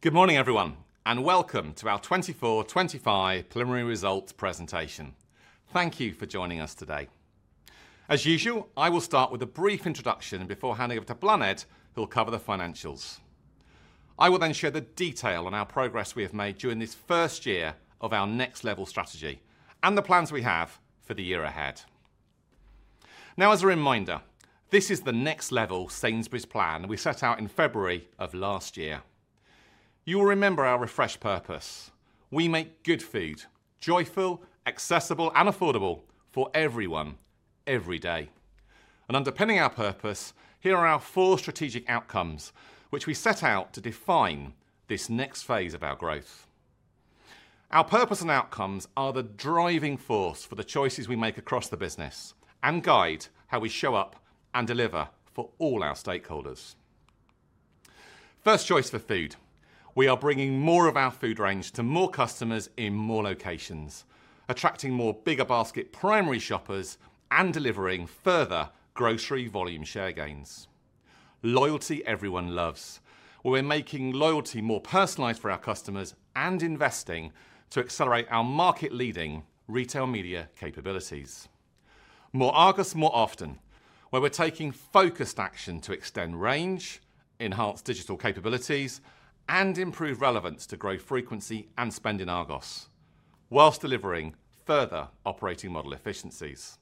Good morning, everyone, and welcome to our 2024/2025 preliminary results presentation. Thank you for joining us today. As usual, I will start with a brief introduction before handing over to Bláthnaid, who will cover the financials. I will then share the detail on our progress we have made during this first year of our next-level strategy and the plans we have for the year ahead. Now, as a reminder, this is the next-level Sainsbury's plan we set out in February of last year. You will remember our refresh purpose. We make good food joyful, accessible, and affordable for everyone, every day. Underpinning our purpose, here are our four strategic outcomes, which we set out to define this next phase of our growth. Our purpose and outcomes are the driving force for the choices we make across the business and guide how we show up and deliver for all our stakeholders. First choice for food: we are bringing more of our food range to more customers in more locations, attracting more bigger basket primary shoppers and delivering further grocery volume share gains. Loyalty everyone loves, where we're making loyalty more personalized for our customers and investing to accelerate our market-leading retail media capabilities. More Argos more often, where we're taking focused action to extend range, enhance digital capabilities, and improve relevance to grow frequency and spend in Argos, whilst delivering further operating model efficiencies.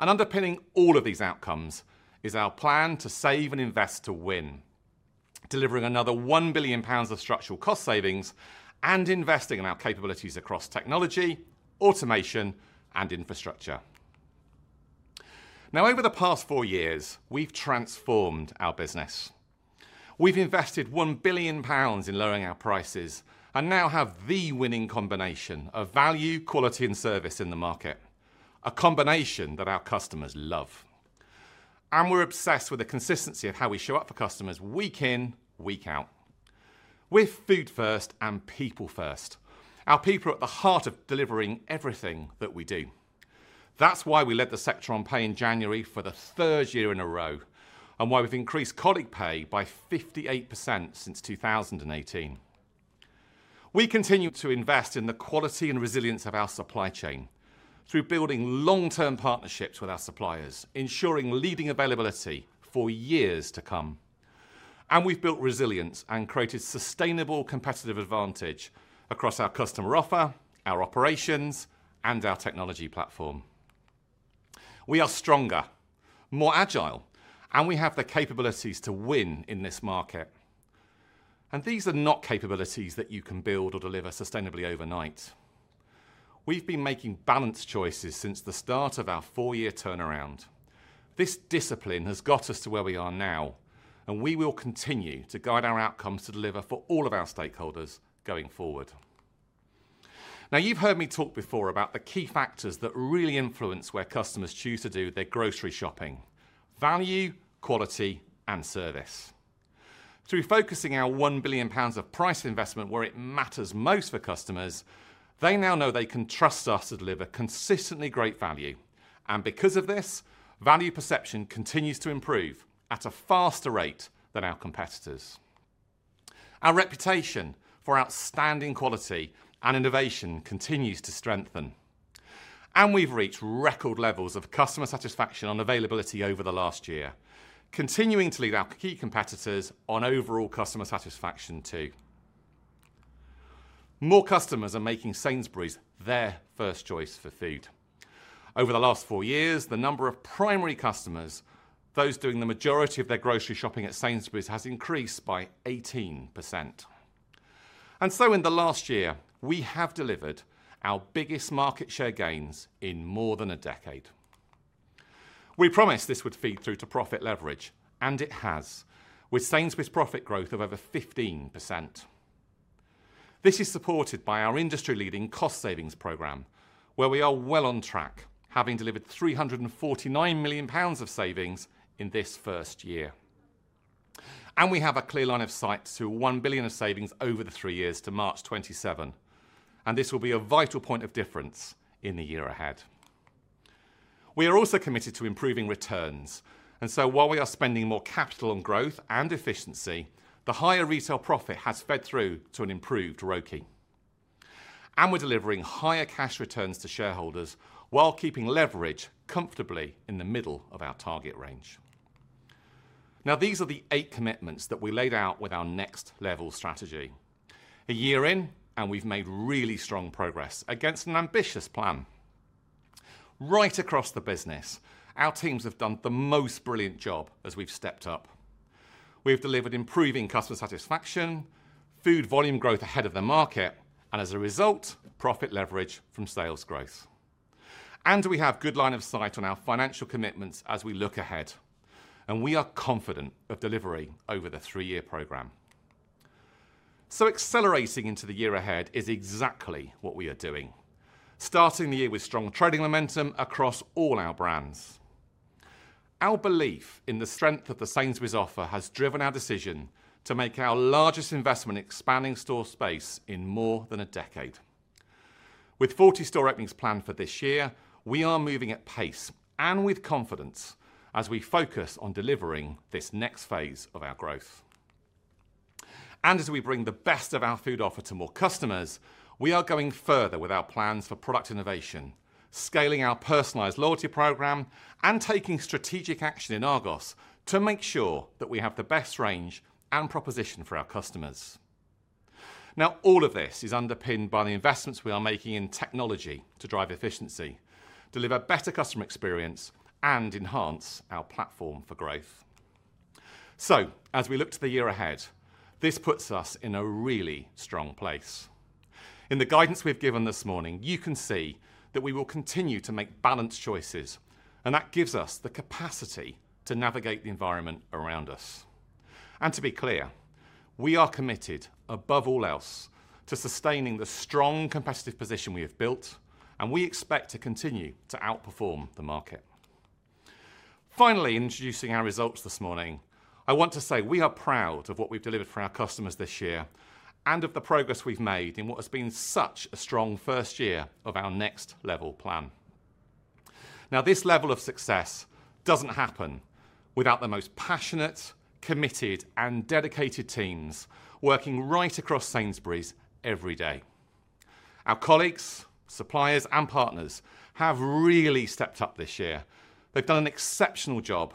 Underpinning all of these outcomes is our plan to save and invest to win, delivering another 1 billion pounds of structural cost savings and investing in our capabilities across technology, automation, and infrastructure. Now, over the past four years, we've transformed our business. We've invested 1 billion pounds in lowering our prices and now have the winning combination of value, quality, and service in the market, a combination that our customers love. We're obsessed with the consistency of how we show up for customers week in, week out. We're food first and people first. Our people are at the heart of delivering everything that we do. That's why we led the sector on pay in January for the third year in a row and why we've increased colleague pay by 58% since 2018. We continue to invest in the quality and resilience of our supply chain through building long-term partnerships with our suppliers, ensuring leading availability for years to come. We've built resilience and created sustainable competitive advantage across our customer offer, our operations, and our technology platform. We are stronger, more agile, and we have the capabilities to win in this market. These are not capabilities that you can build or deliver sustainably overnight. We have been making balanced choices since the start of our four-year turnaround. This discipline has got us to where we are now, and we will continue to guide our outcomes to deliver for all of our stakeholders going forward. You have heard me talk before about the key factors that really influence where customers choose to do their grocery shopping: value, quality, and service. Through focusing our 1 billion pounds of price investment where it matters most for customers, they now know they can trust us to deliver consistently great value. Because of this, value perception continues to improve at a faster rate than our competitors. Our reputation for outstanding quality and innovation continues to strengthen. We have reached record levels of customer satisfaction on availability over the last year, continuing to lead our key competitors on overall customer satisfaction too. More customers are making Sainsbury's their first choice for food. Over the last four years, the number of primary customers, those doing the majority of their grocery shopping at Sainsbury's, has increased by 18%. In the last year, we have delivered our biggest market share gains in more than a decade. We promised this would feed through to profit leverage, and it has, with Sainsbury's profit growth of over 15%. This is supported by our industry-leading cost savings program, where we are well on track, having delivered 349 million pounds of savings in this first year. We have a clear line of sight to 1 billion of savings over the three years to March 2027. This will be a vital point of difference in the year ahead. We are also committed to improving returns. While we are spending more capital on growth and efficiency, the higher retail profit has fed through to an improved ROCE. We are delivering higher cash returns to shareholders while keeping leverage comfortably in the middle of our target range. These are the eight commitments that we laid out with our next-level strategy. A year in, we have made really strong progress against an ambitious plan. Right across the business, our teams have done the most brilliant job as we have stepped up. We have delivered improving customer satisfaction, food volume growth ahead of the market, and as a result, profit leverage from sales growth. We have a good line of sight on our financial commitments as we look ahead. We are confident of delivery over the three-year program. Accelerating into the year ahead is exactly what we are doing, starting the year with strong trading momentum across all our brands. Our belief in the strength of the Sainsbury's offer has driven our decision to make our largest investment expanding store space in more than a decade. With 40 store openings planned for this year, we are moving at pace and with confidence as we focus on delivering this next phase of our growth. As we bring the best of our food offer to more customers, we are going further with our plans for product innovation, scaling our personalized loyalty program, and taking strategic action in Argos to make sure that we have the best range and proposition for our customers. Now, all of this is underpinned by the investments we are making in technology to drive efficiency, deliver better customer experience, and enhance our platform for growth. As we look to the year ahead, this puts us in a really strong place. In the guidance we have given this morning, you can see that we will continue to make balanced choices, and that gives us the capacity to navigate the environment around us. To be clear, we are committed above all else to sustaining the strong competitive position we have built, and we expect to continue to outperform the market. Finally, introducing our results this morning, I want to say we are proud of what we have delivered for our customers this year and of the progress we have made in what has been such a strong first year of our next-level plan. Now, this level of success doesn't happen without the most passionate, committed, and dedicated teams working right across Sainsbury's every day. Our colleagues, suppliers, and partners have really stepped up this year. They've done an exceptional job,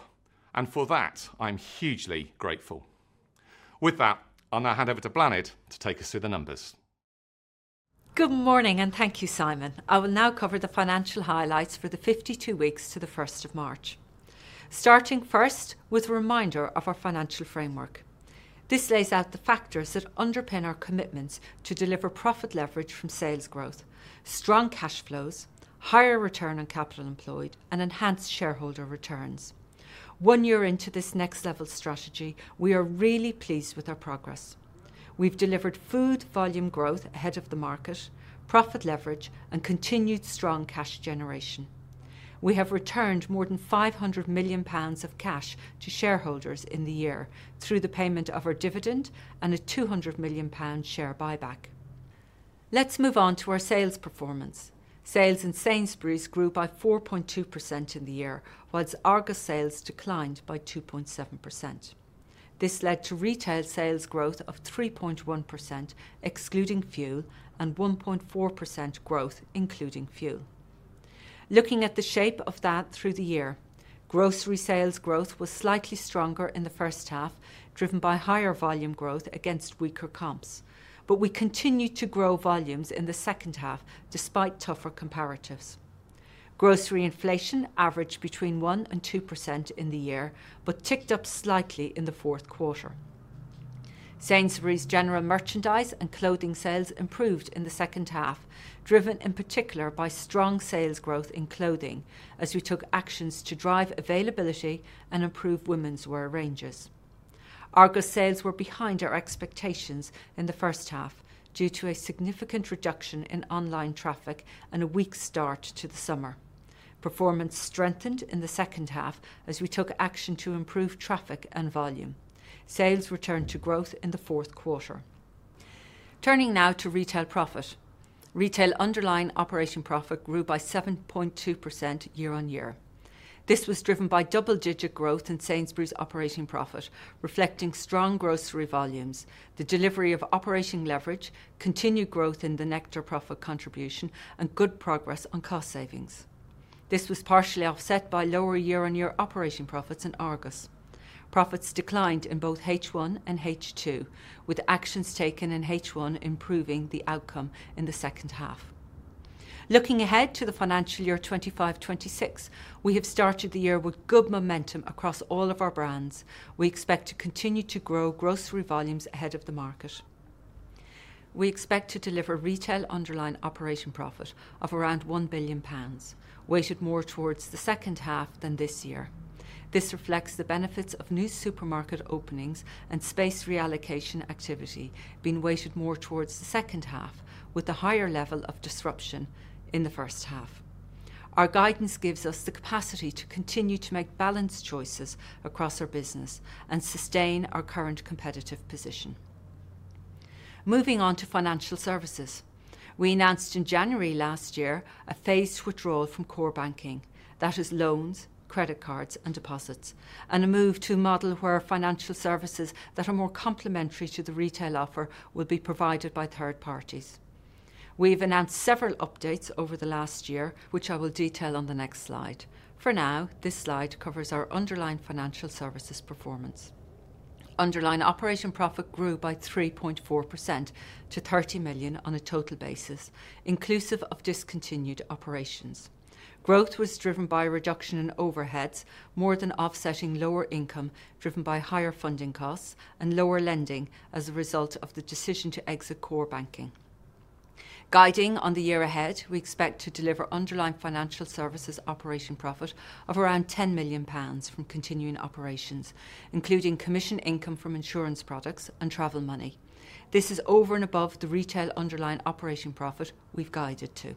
and for that, I'm hugely grateful. With that, I'll now hand over to Bláthnaid to take us through the numbers. Good morning, and thank you, Simon. I will now cover the financial highlights for the 52 weeks to the 1st of March, starting first with a reminder of our financial framework. This lays out the factors that underpin our commitment to deliver profit leverage from sales growth, strong cash flows, higher return on capital employed, and enhanced shareholder returns. One year into this next-level strategy, we are really pleased with our progress. We've delivered food volume growth ahead of the market, profit leverage, and continued strong cash generation. We have returned more than 500 million pounds of cash to shareholders in the year through the payment of our dividend and a 200 million pound share buyback. Let's move on to our sales performance. Sales in Sainsbury's grew by 4.2% in the year, whilst Argos sales declined by 2.7%. This led to retail sales growth of 3.1%, excluding fuel, and 1.4% growth, including fuel. Looking at the shape of that through the year, grocery sales growth was slightly stronger in the first half, driven by higher volume growth against weaker comps, but we continued to grow volumes in the second half despite tougher comparatives. Grocery inflation averaged between 1% and 2% in the year, but ticked up slightly in the fourth quarter. Sainsbury's general merchandise and clothing sales improved in the second half, driven in particular by strong sales growth in clothing as we took actions to drive availability and improve women's wear ranges. Argos sales were behind our expectations in the first half due to a significant reduction in online traffic and a weak start to the summer. Performance strengthened in the second half as we took action to improve traffic and volume. Sales returned to growth in the fourth quarter. Turning now to retail profit, retail underlying operating profit grew by 7.2% year on year. This was driven by double-digit growth in Sainsbury's operating profit, reflecting strong grocery volumes, the delivery of operating leverage, continued growth in the Nectar profit contribution, and good progress on cost savings. This was partially offset by lower year-on-year operating profits in Argos. Profits declined in both H1 and H2, with actions taken in H1 improving the outcome in the second half. Looking ahead to the financial year 2025/2026, we have started the year with good momentum across all of our brands. We expect to continue to grow grocery volumes ahead of the market. We expect to deliver retail underlying operating profit of around 1 billion pounds, weighted more towards the second half than this year. This reflects the benefits of new supermarket openings and space reallocation activity being weighted more towards the second half, with a higher level of disruption in the first half. Our guidance gives us the capacity to continue to make balanced choices across our business and sustain our current competitive position. Moving on to financial services, we announced in January last year a phased withdrawal from core banking, that is, loans, credit cards, and deposits, and a move to a model where financial services that are more complementary to the retail offer will be provided by third parties. We've announced several updates over the last year, which I will detail on the next slide. For now, this slide covers our underlying financial services performance. Underlying operating profit grew by 3.4% to 30 million on a total basis, inclusive of discontinued operations. Growth was driven by a reduction in overheads, more than offsetting lower income driven by higher funding costs and lower lending as a result of the decision to exit core banking. Guiding on the year ahead, we expect to deliver underlying financial services operating profit of around 10 million pounds from continuing operations, including commission income from insurance products and travel money. This is over and above the retail underlying operating profit we've guided to.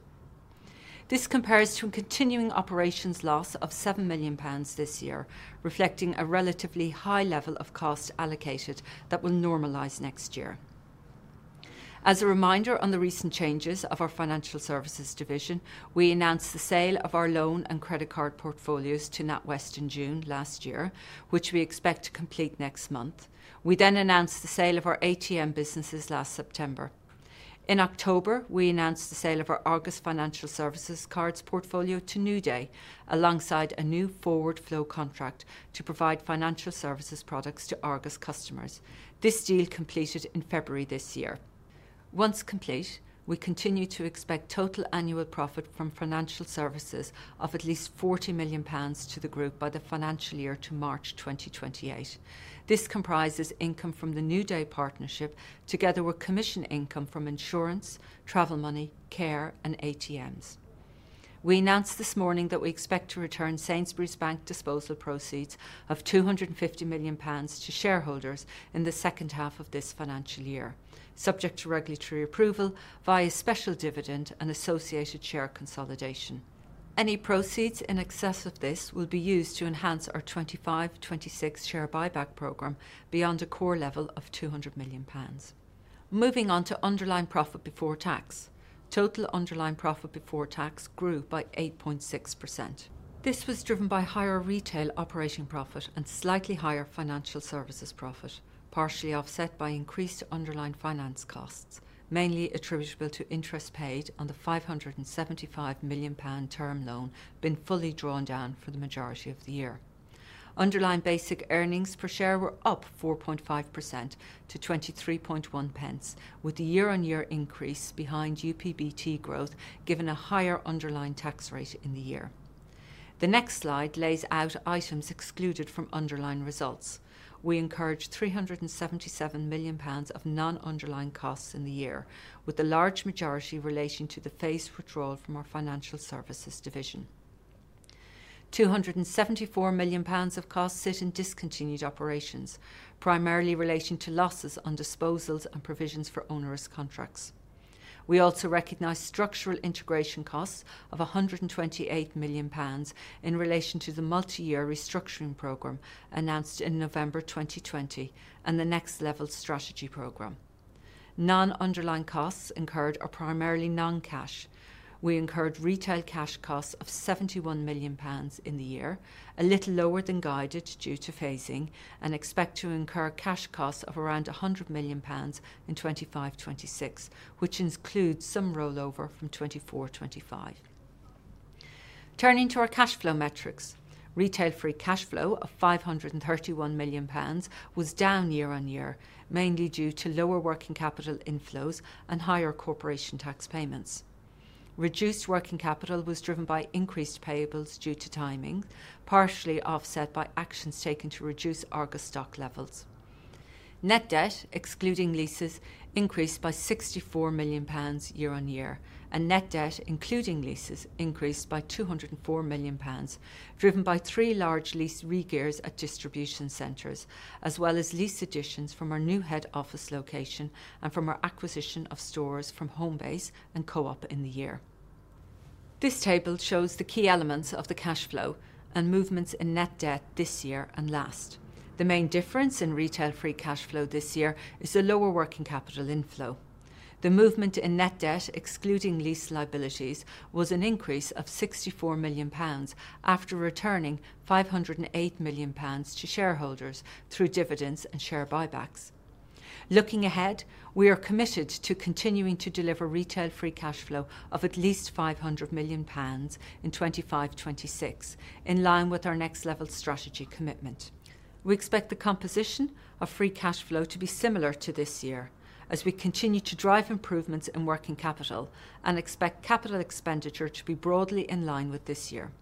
This compares to a continuing operations loss of 7 million pounds this year, reflecting a relatively high level of cost allocated that will normalize next year. As a reminder on the recent changes of our financial services division, we announced the sale of our loan and credit card portfolios to NatWest in June last year, which we expect to complete next month. We then announced the sale of our ATM businesses last September. In October, we announced the sale of our Argos financial services cards portfolio to NewDay, alongside a new forward flow contract to provide financial services products to Argos customers. This deal completed in February this year. Once complete, we continue to expect total annual profit from financial services of at least 40 million pounds to the group by the financial year to March 2028. This comprises income from the NewDay partnership together with commission income from insurance, travel money, care, and ATMs. We announced this morning that we expect to return Sainsbury's Bank disposal proceeds of 250 million pounds to shareholders in the second half of this financial year, subject to regulatory approval via special dividend and associated share consolidation. Any proceeds in excess of this will be used to enhance our 2025/2026 share buyback program beyond a core level of 200 million pounds. Moving on to underlying profit before tax, total underlying profit before tax grew by 8.6%. This was driven by higher retail operating profit and slightly higher financial services profit, partially offset by increased underlying finance costs, mainly attributable to interest paid on the 575 million pound term loan being fully drawn down for the majority of the year. Underlying basic earnings per share were up 4.5% to 0.231, with the year-on-year increase behind UPBT growth given a higher underlying tax rate in the year. The next slide lays out items excluded from underlying results. We incurred 377 million pounds of non-underlying costs in the year, with the large majority relating to the phased withdrawal from our financial services division. 274 million pounds of costs sit in discontinued operations, primarily relating to losses on disposals and provisions for onerous contracts. We also recognize structural integration costs of 128 million pounds in relation to the multi-year restructuring program announced in November 2020 and the next-level strategy program. Non-underlying costs incurred are primarily non-cash. We incurred retail cash costs of 71 million pounds in the year, a little lower than guided due to phasing, and expect to incur cash costs of around 100 million pounds in 2025/2026, which includes some rollover from 2024/2025. Turning to our cash flow metrics, retail free cash flow of 531 million pounds was down year on year, mainly due to lower working capital inflows and higher corporation tax payments. Reduced working capital was driven by increased payables due to timing, partially offset by actions taken to reduce Argos stock levels. Net debt, excluding leases, increased by 64 million pounds year on year, and net debt, including leases, increased by 204 million pounds, driven by three large lease re-gears at distribution centers, as well as lease additions from our new head office location and from our acquisition of stores from Homebase and Co-op in the year. This table shows the key elements of the cash flow and movements in net debt this year and last. The main difference in retail free cash flow this year is the lower working capital inflow. The movement in net debt, excluding lease liabilities, was an increase of 64 million pounds after returning 508 million pounds to shareholders through dividends and share buybacks. Looking ahead, we are committed to continuing to deliver retail free cash flow of at least 500 million pounds in 2025/2026, in line with our next-level strategy commitment. We expect the composition of free cash flow to be similar to this year, as we continue to drive improvements in working capital and expect capital expenditure to be broadly in line with this year.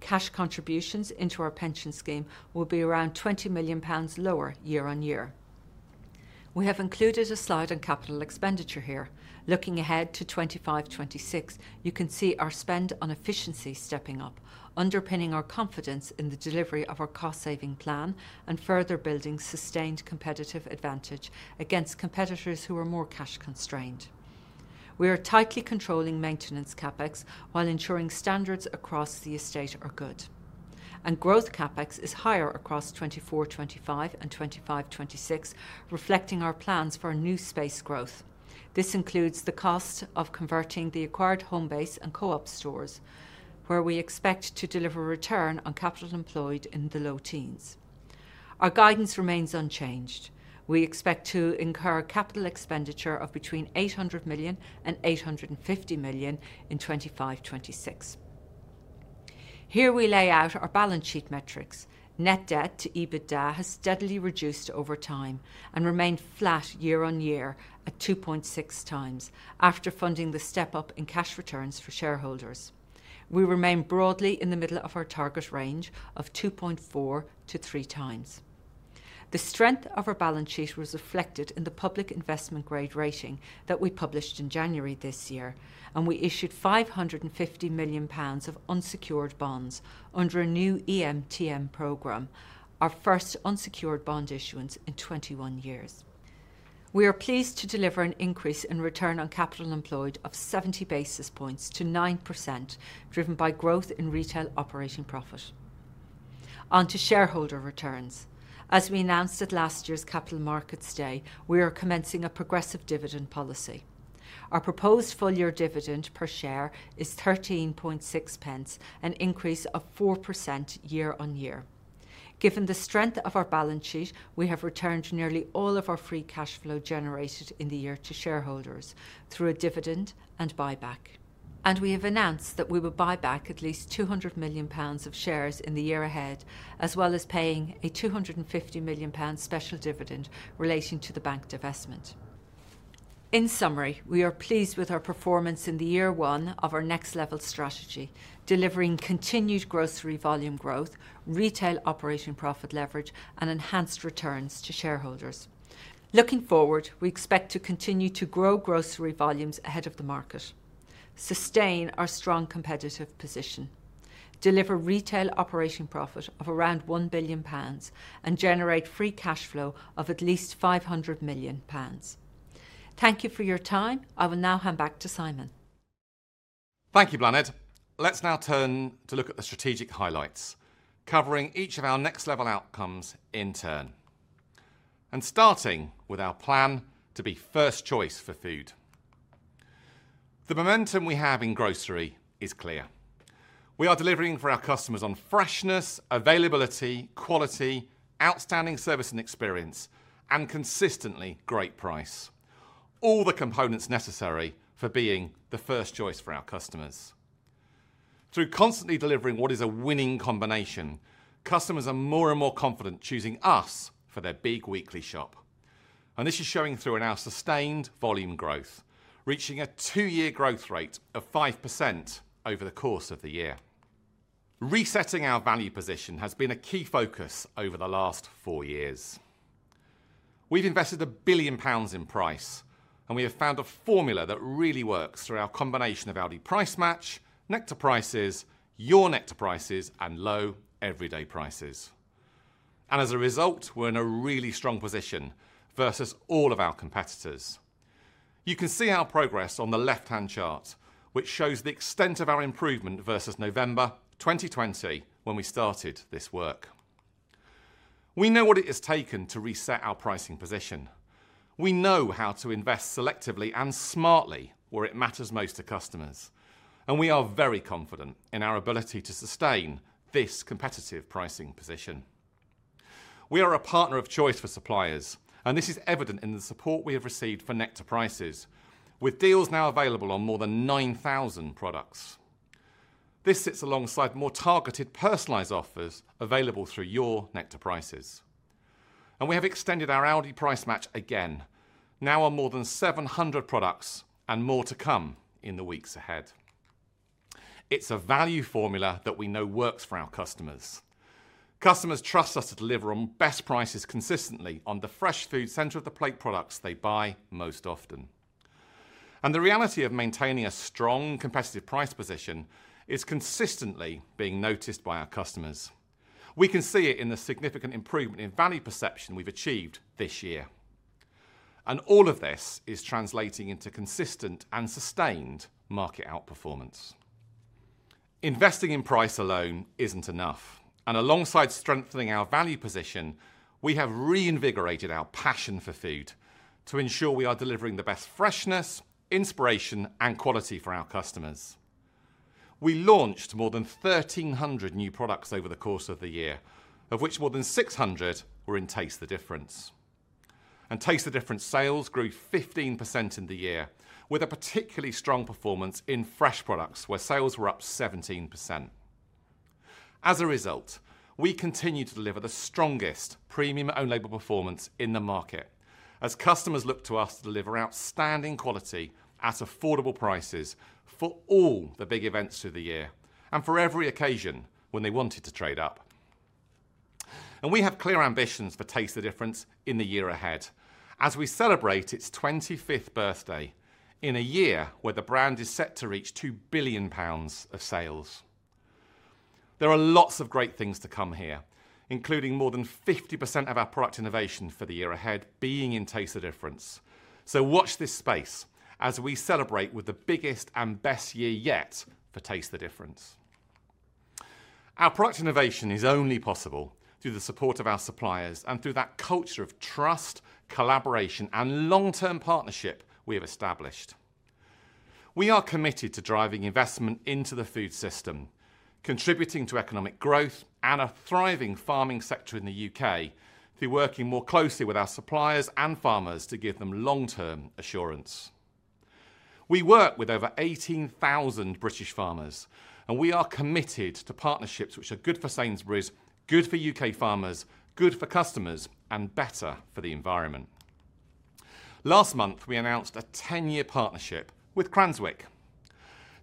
Cash contributions into our pension scheme will be around 20 million pounds lower year on year. We have included a slide on capital expenditure here. Looking ahead to 2025/2026, you can see our spend on efficiency stepping up, underpinning our confidence in the delivery of our cost-saving plan and further building sustained competitive advantage against competitors who are more cash constrained. We are tightly controlling maintenance CapEx while ensuring standards across the estate are good, and growth CapEx is higher across 2024/2025 and 2025/2026, reflecting our plans for new space growth. This includes the cost of converting the acquired Homebase and Co-op stores, where we expect to deliver a return on capital employed in the low teens. Our guidance remains unchanged. We expect to incur capital expenditure of between 800 million and 850 million in 2025/2026. Here we lay out our balance sheet metrics. Net debt to EBITDA has steadily reduced over time and remained flat year on year at 2.6x after funding the step-up in cash returns for shareholders. We remain broadly in the middle of our target range of 2.4x-3x. The strength of our balance sheet was reflected in the public investment grade rating that we published in January this year, and we issued 550 million pounds of unsecured bonds under a new EMTM program, our first unsecured bond issuance in 21 years. We are pleased to deliver an increase in return on capital employed of 70 basis points to 9%, driven by growth in retail operating profit. On to shareholder returns. As we announced at last year's capital markets day, we are commencing a progressive dividend policy. Our proposed full-year dividend per share is 0.136, an increase of 4% year on year. Given the strength of our balance sheet, we have returned nearly all of our free cash flow generated in the year to shareholders through a dividend and buyback, and we have announced that we will buy back at least 200 million pounds of shares in the year ahead, as well as paying a 250 million pounds special dividend relating to the bank divestment. In summary, we are pleased with our performance in the year one of our next-level strategy, delivering continued grocery volume growth, retail operating profit leverage, and enhanced returns to shareholders. Looking forward, we expect to continue to grow grocery volumes ahead of the market, sustain our strong competitive position, deliver retail operating profit of around 1 billion pounds, and generate free cash flow of at least 500 million pounds. Thank you for your time. I will now hand back to Simon. Thank you, Bláthnaid. Let's now turn to look at the strategic highlights, covering each of our next-level outcomes in turn, and starting with our plan to be first choice for food. The momentum we have in grocery is clear. We are delivering for our customers on freshness, availability, quality, outstanding service and experience, and consistently great price—all the components necessary for being the first choice for our customers. Through constantly delivering what is a winning combination, customers are more and more confident choosing us for their big weekly shop, and this is showing through in our sustained volume growth, reaching a two-year growth rate of 5% over the course of the year. Resetting our value position has been a key focus over the last four years. We have invested 1 billion pounds in price, and we have found a formula that really works through our combination of Aldi Price Match, Nectar Prices, Your Nectar Prices, and low everyday prices. As a result, we are in a really strong position versus all of our competitors. You can see our progress on the left-hand chart, which shows the extent of our improvement versus November 2020 when we started this work. We know what it has taken to reset our pricing position. We know how to invest selectively and smartly where it matters most to customers, and we are very confident in our ability to sustain this competitive pricing position. We are a partner of choice for suppliers, and this is evident in the support we have received for Nectar Prices, with deals now available on more than 9,000 products. This sits alongside more targeted personalized offers available through Your Nectar Prices, and we have extended our Aldi Price Match again, now on more than 700 products and more to come in the weeks ahead. It's a value formula that we know works for our customers. Customers trust us to deliver on best prices consistently on the fresh food, center of the plate products they buy most often. The reality of maintaining a strong competitive price position is consistently being noticed by our customers. We can see it in the significant improvement in value perception we've achieved this year, and all of this is translating into consistent and sustained market outperformance. Investing in price alone isn't enough, and alongside strengthening our value position, we have reinvigorated our passion for food to ensure we are delivering the best freshness, inspiration, and quality for our customers. We launched more than 1,300 new products over the course of the year, of which more than 600 were in Taste the Difference, and Taste the Difference sales grew 15% in the year, with a particularly strong performance in fresh products where sales were up 17%. As a result, we continue to deliver the strongest premium own-label performance in the market, as customers look to us to deliver outstanding quality at affordable prices for all the big events through the year and for every occasion when they wanted to trade up. We have clear ambitions for Taste the Difference in the year ahead, as we celebrate its 25th birthday in a year where the brand is set to reach 2 billion pounds of sales. There are lots of great things to come here, including more than 50% of our product innovation for the year ahead being in Taste the Difference. Watch this space as we celebrate with the biggest and best year yet for Taste the Difference. Our product innovation is only possible through the support of our suppliers and through that culture of trust, collaboration, and long-term partnership we have established. We are committed to driving investment into the food system, contributing to economic growth and a thriving farming sector in the U.K. through working more closely with our suppliers and farmers to give them long-term assurance. We work with over 18,000 British farmers, and we are committed to partnerships which are good for Sainsbury's, good for U.K. farmers, good for customers, and better for the environment. Last month, we announced a 10-year partnership with Cranswick.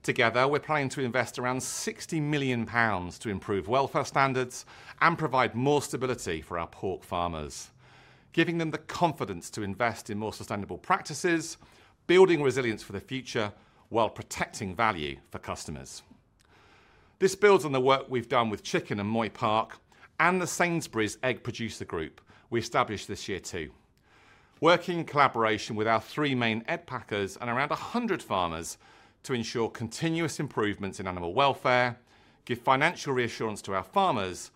Together, we're planning to invest around 60 million pounds to improve welfare standards and provide more stability for our pork farmers, giving them the confidence to invest in more sustainable practices, building resilience for the future while protecting value for customers. This builds on the work we've done with chicken and Moy Park and the Sainsbury's Egg Producer Group we established this year too, working in collaboration with our three main egg packers and around 100 farmers to ensure continuous improvements in animal welfare, give financial reassurance to our farmers,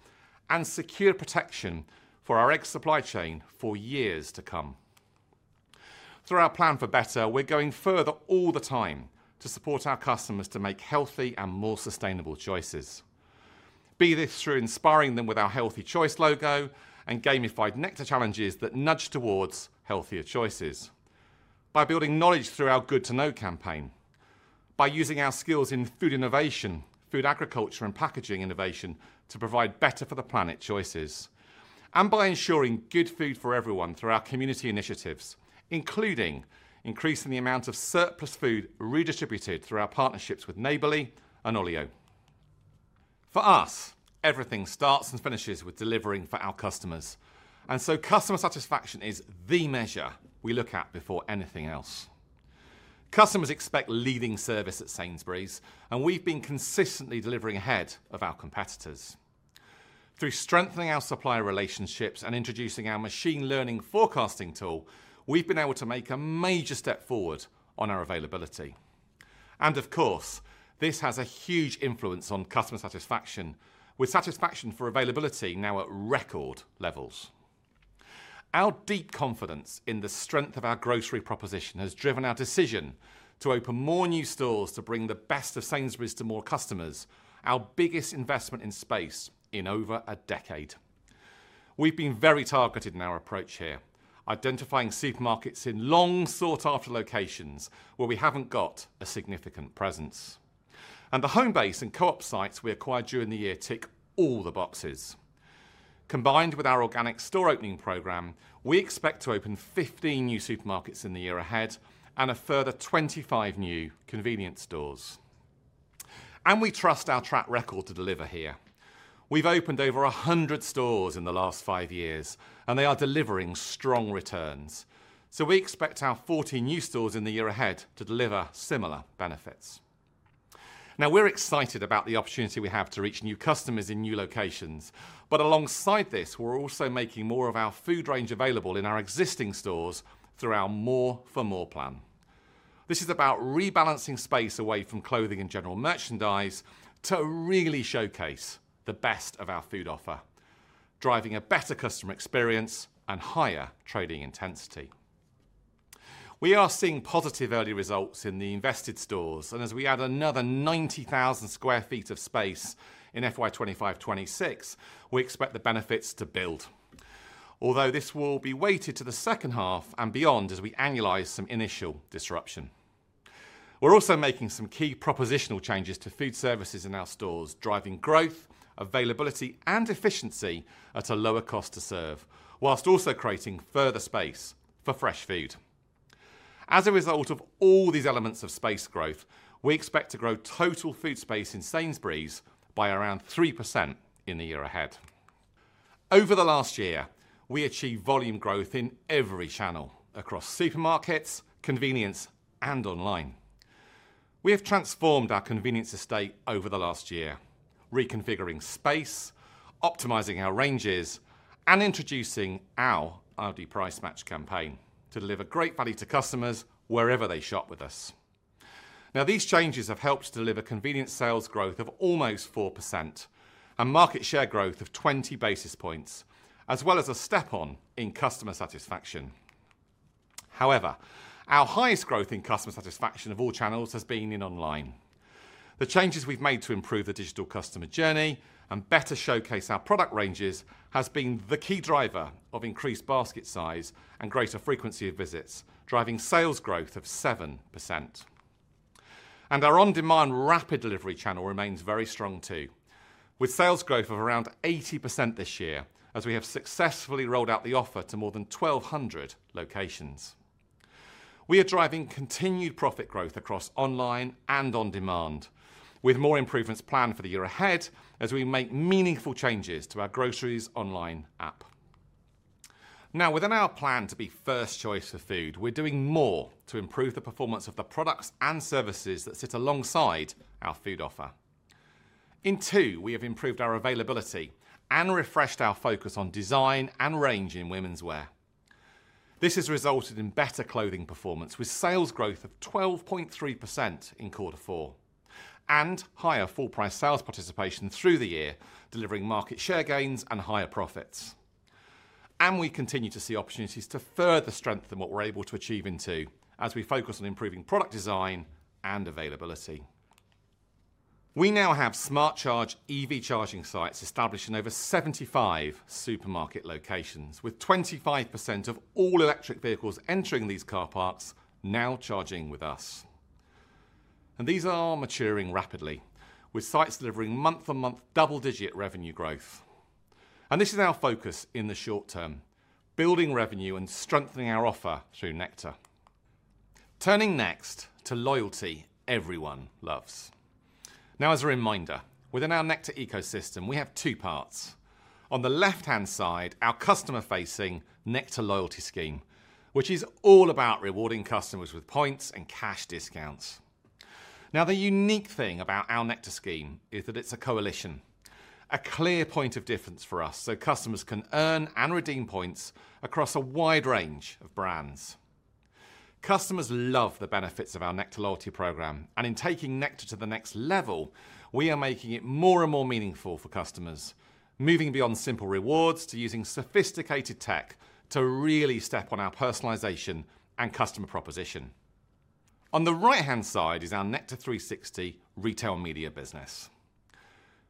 and secure protection for our egg supply chain for years to come. Through our plan for better, we're going further all the time to support our customers to make healthy and more sustainable choices. Be this through inspiring them with our Healthy Choice logo and gamified Nectar challenges that nudge towards healthier choices, by building knowledge through our Good to Know campaign, by using our skills in food innovation, food agriculture, and packaging innovation to provide better-for-the-planet choices, and by ensuring good food for everyone through our community initiatives, including increasing the amount of surplus food redistributed through our partnerships with Neighbourly and Olio. For us, everything starts and finishes with delivering for our customers, and so customer satisfaction is the measure we look at before anything else. Customers expect leading service at Sainsbury's, and we've been consistently delivering ahead of our competitors. Through strengthening our supplier relationships and introducing our machine learning forecasting tool, we've been able to make a major step forward on our availability. Of course, this has a huge influence on customer satisfaction, with satisfaction for availability now at record levels. Our deep confidence in the strength of our grocery proposition has driven our decision to open more new stores to bring the best of Sainsbury's to more customers, our biggest investment in space in over a decade. We've been very targeted in our approach here, identifying supermarkets in long sought-after locations where we haven't got a significant presence, and the Homebase and Co-op sites we acquired during the year tick all the boxes. Combined with our organic store opening program, we expect to open 15 new supermarkets in the year ahead and a further 25 new convenience stores. We trust our track record to deliver here. We've opened over 100 stores in the last five years, and they are delivering strong returns, so we expect our 14 new stores in the year ahead to deliver similar benefits. Now, we're excited about the opportunity we have to reach new customers in new locations, but alongside this, we're also making more of our food range available in our existing stores through our More for More plan. This is about rebalancing space away from clothing and general merchandise to really showcase the best of our food offer, driving a better customer experience and higher trading intensity. We are seeing positive early results in the invested stores, and as we add another 90,000 sq ft of space in FY 2025/2026, we expect the benefits to build, although this will be weighted to the second half and beyond as we annualize some initial disruption. We're also making some key propositional changes to food services in our stores, driving growth, availability, and efficiency at a lower cost to serve, whilst also creating further space for fresh food. As a result of all these elements of space growth, we expect to grow total food space in Sainsbury's by around 3% in the year ahead. Over the last year, we achieved volume growth in every channel across supermarkets, convenience, and online. We have transformed our convenience estate over the last year, reconfiguring space, optimizing our ranges, and introducing our Aldi Price Match campaign to deliver great value to customers wherever they shop with us. Now, these changes have helped to deliver convenience sales growth of almost 4% and market share growth of 20 basis points, as well as a step on in customer satisfaction. However, our highest growth in customer satisfaction of all channels has been in online. The changes we've made to improve the digital customer journey and better showcase our product ranges have been the key driver of increased basket size and greater frequency of visits, driving sales growth of 7%. Our on-demand rapid delivery channel remains very strong too, with sales growth of around 80% this year as we have successfully rolled out the offer to more than 1,200 locations. We are driving continued profit growth across online and on-demand, with more improvements planned for the year ahead as we make meaningful changes to our Groceries Online app. Now, within our plan to be first choice for food, we're doing more to improve the performance of the products and services that sit alongside our food offer. In Tu, we have improved our availability and refreshed our focus on design and range in women's wear. This has resulted in better clothing performance, with sales growth of 12.3% in quarter four and higher full-price sales participation through the year, delivering market share gains and higher profits. We continue to see opportunities to further strengthen what we're able to achieve in Tu as we focus on improving product design and availability. We now have Smart Charge EV charging sites established in over 75 supermarket locations, with 25% of all electric vehicles entering these car parks now charging with us. These are maturing rapidly, with sites delivering month-for-month double-digit revenue growth. This is our focus in the short term, building revenue and strengthening our offer through Nectar. Turning next to loyalty everyone loves. Now, as a reminder, within our Nectar ecosystem, we have two parts. On the left-hand side, our customer-facing Nectar loyalty scheme, which is all about rewarding customers with points and cash discounts. Now, the unique thing about our Nectar scheme is that it's a coalition, a clear point of difference for us so customers can earn and redeem points across a wide range of brands. Customers love the benefits of our Nectar loyalty program, and in taking Nectar to the next level, we are making it more and more meaningful for customers, moving beyond simple rewards to using sophisticated tech to really step on our personalization and customer proposition. On the right-hand side is our Nectar360 retail media business.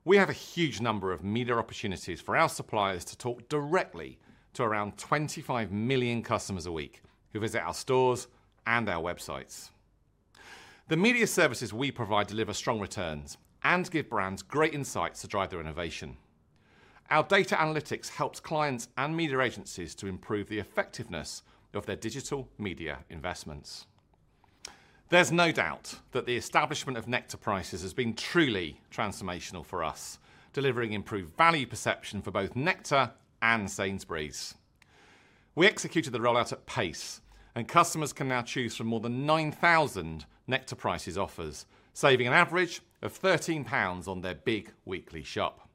We have a huge number of media opportunities for our suppliers to talk directly to around 25 million customers a week who visit our stores and our websites. The media services we provide deliver strong returns and give brands great insights to drive their innovation. Our data analytics helps clients and media agencies to improve the effectiveness of their digital media investments. There's no doubt that the establishment of Nectar Prices has been truly transformational for us, delivering improved value perception for both Nectar and Sainsbury's. We executed the rollout at pace, and customers can now choose from more than 9,000 Nectar Prices offers, saving an average of 13 pounds on their big weekly shop.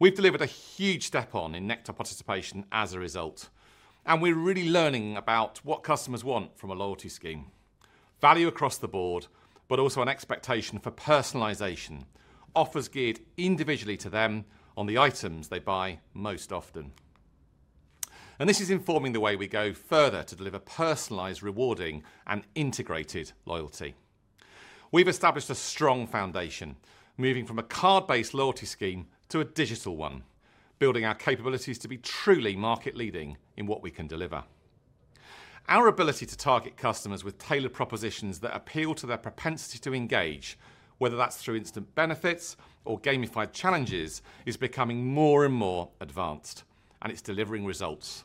We've delivered a huge step on in Nectar participation as a result, and we're really learning about what customers want from a loyalty scheme. Value across the board, but also an expectation for personalization, offers geared individually to them on the items they buy most often. This is informing the way we go further to deliver personalized, rewarding, and integrated loyalty. We've established a strong foundation, moving from a card-based loyalty scheme to a digital one, building our capabilities to be truly market-leading in what we can deliver. Our ability to target customers with tailored propositions that appeal to their propensity to engage, whether that's through instant benefits or gamified challenges, is becoming more and more advanced, and it's delivering results,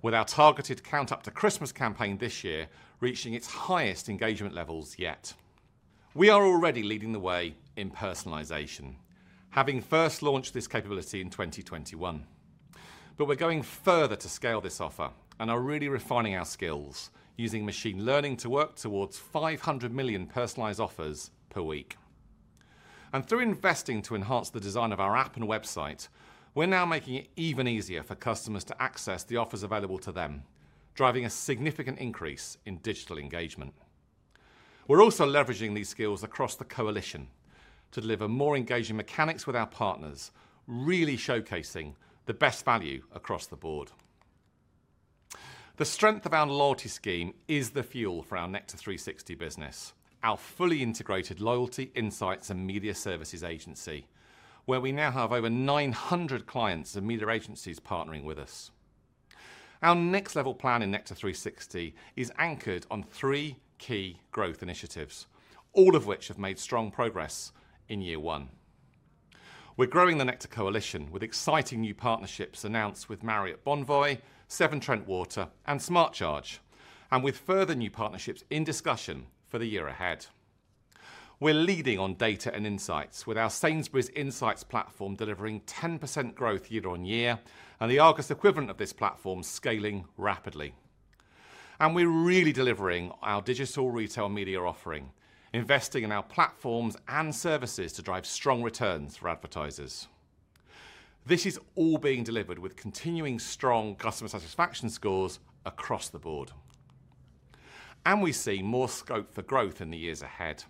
with our targeted Count Up to Christmas campaign this year reaching its highest engagement levels yet. We are already leading the way in personalization, having first launched this capability in 2021, but we're going further to scale this offer and are really refining our skills, using machine learning to work towards 500 million personalized offers per week. Through investing to enhance the design of our app and website, we're now making it even easier for customers to access the offers available to them, driving a significant increase in digital engagement. We're also leveraging these skills across the coalition to deliver more engaging mechanics with our partners, really showcasing the best value across the board. The strength of our loyalty scheme is the fuel for our Nectar360 business, our fully integrated loyalty insights and media services agency, where we now have over 900 clients and media agencies partnering with us. Our next-level plan in Nectar360 is anchored on three key growth initiatives, all of which have made strong progress in year one. We're growing the Nectar coalition with exciting new partnerships announced with Marriott Bonvoy, Severn Trent Water, and Smart Charge, and with further new partnerships in discussion for the year ahead. We're leading on data and insights, with our Sainsbury's Insights platform delivering 10% growth year on year and the Argos equivalent of this platform scaling rapidly. We are really delivering our digital retail media offering, investing in our platforms and services to drive strong returns for advertisers. This is all being delivered with continuing strong customer satisfaction scores across the board. We see more scope for growth in the years ahead.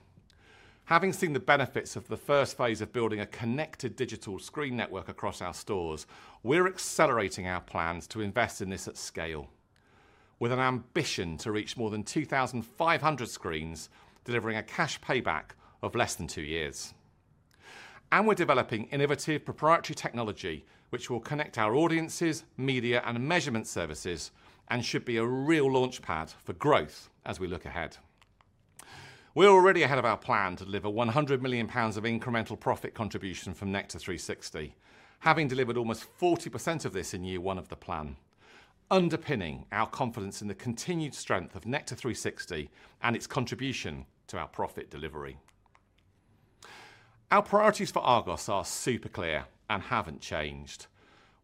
Having seen the benefits of the first phase of building a connected digital screen network across our stores, we are accelerating our plans to invest in this at scale, with an ambition to reach more than 2,500 screens, delivering a cash payback of less than two years. We are developing innovative proprietary technology, which will connect our audiences, media, and measurement services, and should be a real launchpad for growth as we look ahead. We're already ahead of our plan to deliver 100 million pounds of incremental profit contribution from Nectar360, having delivered almost 40% of this in year one of the plan, underpinning our confidence in the continued strength of Nectar360 and its contribution to our profit delivery. Our priorities for Argos are super clear and haven't changed.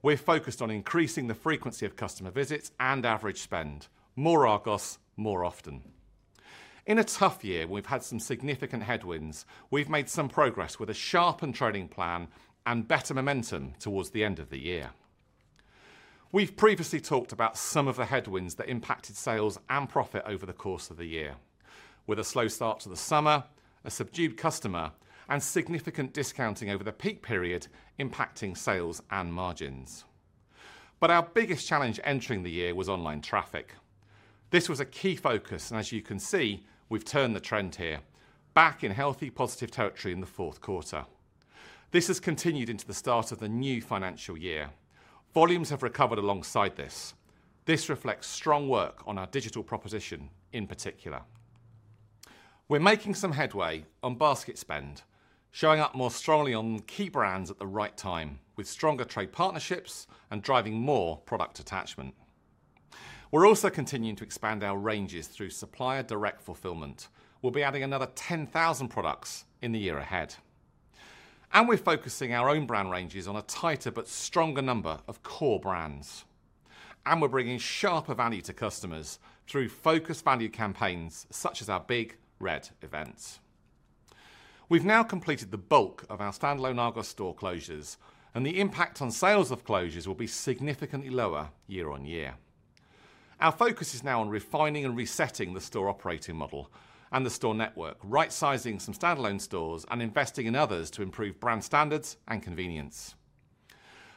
We're focused on increasing the frequency of customer visits and average spend, more Argos, more often. In a tough year, we've had some significant headwinds. We've made some progress with a sharpened trading plan and better momentum towards the end of the year. We've previously talked about some of the headwinds that impacted sales and profit over the course of the year, with a slow start to the summer, a subdued customer, and significant discounting over the peak period impacting sales and margins. Our biggest challenge entering the year was online traffic. This was a key focus, and as you can see, we've turned the trend here, back in healthy positive territory in the fourth quarter. This has continued into the start of the new financial year. Volumes have recovered alongside this. This reflects strong work on our digital proposition in particular. We're making some headway on basket spend, showing up more strongly on key brands at the right time, with stronger trade partnerships and driving more product attachment. We're also continuing to expand our ranges through supplier direct fulfillment. We'll be adding another 10,000 products in the year ahead. We're focusing our own brand ranges on a tighter but stronger number of core brands. We're bringing sharper value to customers through focused value campaigns such as our Big Red events. We've now completed the bulk of our standalone Argos store closures, and the impact on sales of closures will be significantly lower year on year. Our focus is now on refining and resetting the store operating model and the store network, right-sizing some standalone stores and investing in others to improve brand standards and convenience.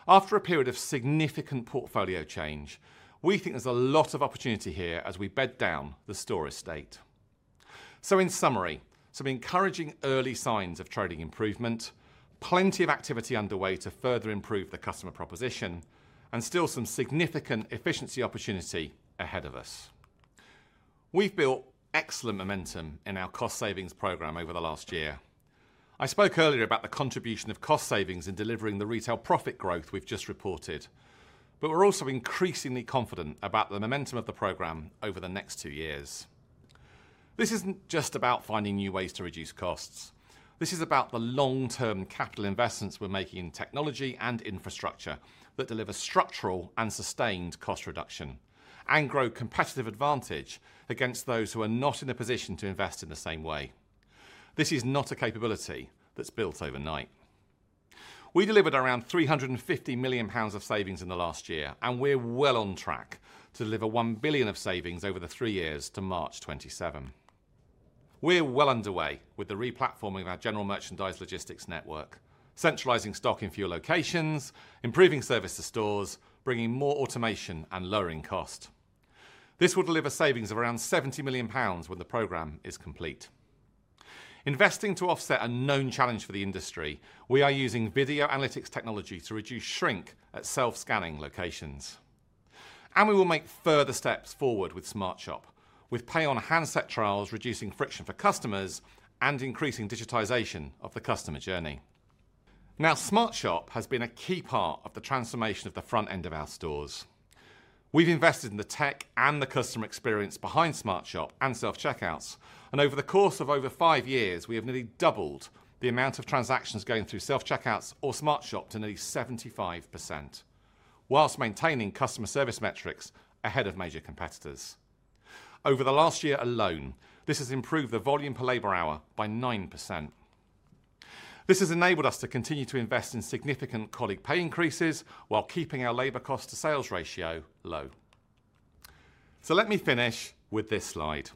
After a period of significant portfolio change, we think there's a lot of opportunity here as we bed down the store estate. In summary, some encouraging early signs of trading improvement, plenty of activity underway to further improve the customer proposition, and still some significant efficiency opportunity ahead of us. We've built excellent momentum in our cost savings program over the last year. I spoke earlier about the contribution of cost savings in delivering the retail profit growth we've just reported, but we're also increasingly confident about the momentum of the program over the next two years. This isn't just about finding new ways to reduce costs. This is about the long-term capital investments we're making in technology and infrastructure that deliver structural and sustained cost reduction and grow competitive advantage against those who are not in a position to invest in the same way. This is not a capability that's built overnight. We delivered around 350 million pounds of savings in the last year, and we're well on track to deliver 1 billion of savings over the three years to March 2027. We're well underway with the replatforming of our general merchandise logistics network, centralizing stock in fewer locations, improving service to stores, bringing more automation, and lowering cost. This will deliver savings of around 70 million pounds when the program is complete. Investing to offset a known challenge for the industry, we are using video analytics technology to reduce shrink at self-scanning locations. We will make further steps forward with Smart Shop, with pay-on-hand set trials reducing friction for customers and increasing digitization of the customer journey. Now, Smart Shop has been a key part of the transformation of the front end of our stores. We've invested in the tech and the customer experience behind Smart Shop and self-checkouts. Over the course of over five years, we have nearly doubled the amount of transactions going through self-checkouts or Smart Shop to nearly 75%, whilst maintaining customer service metrics ahead of major competitors. Over the last year alone, this has improved the volume per labor hour by 9%. This has enabled us to continue to invest in significant colleague pay increases while keeping our labor cost-to-sales ratio low. Let me finish with this slide.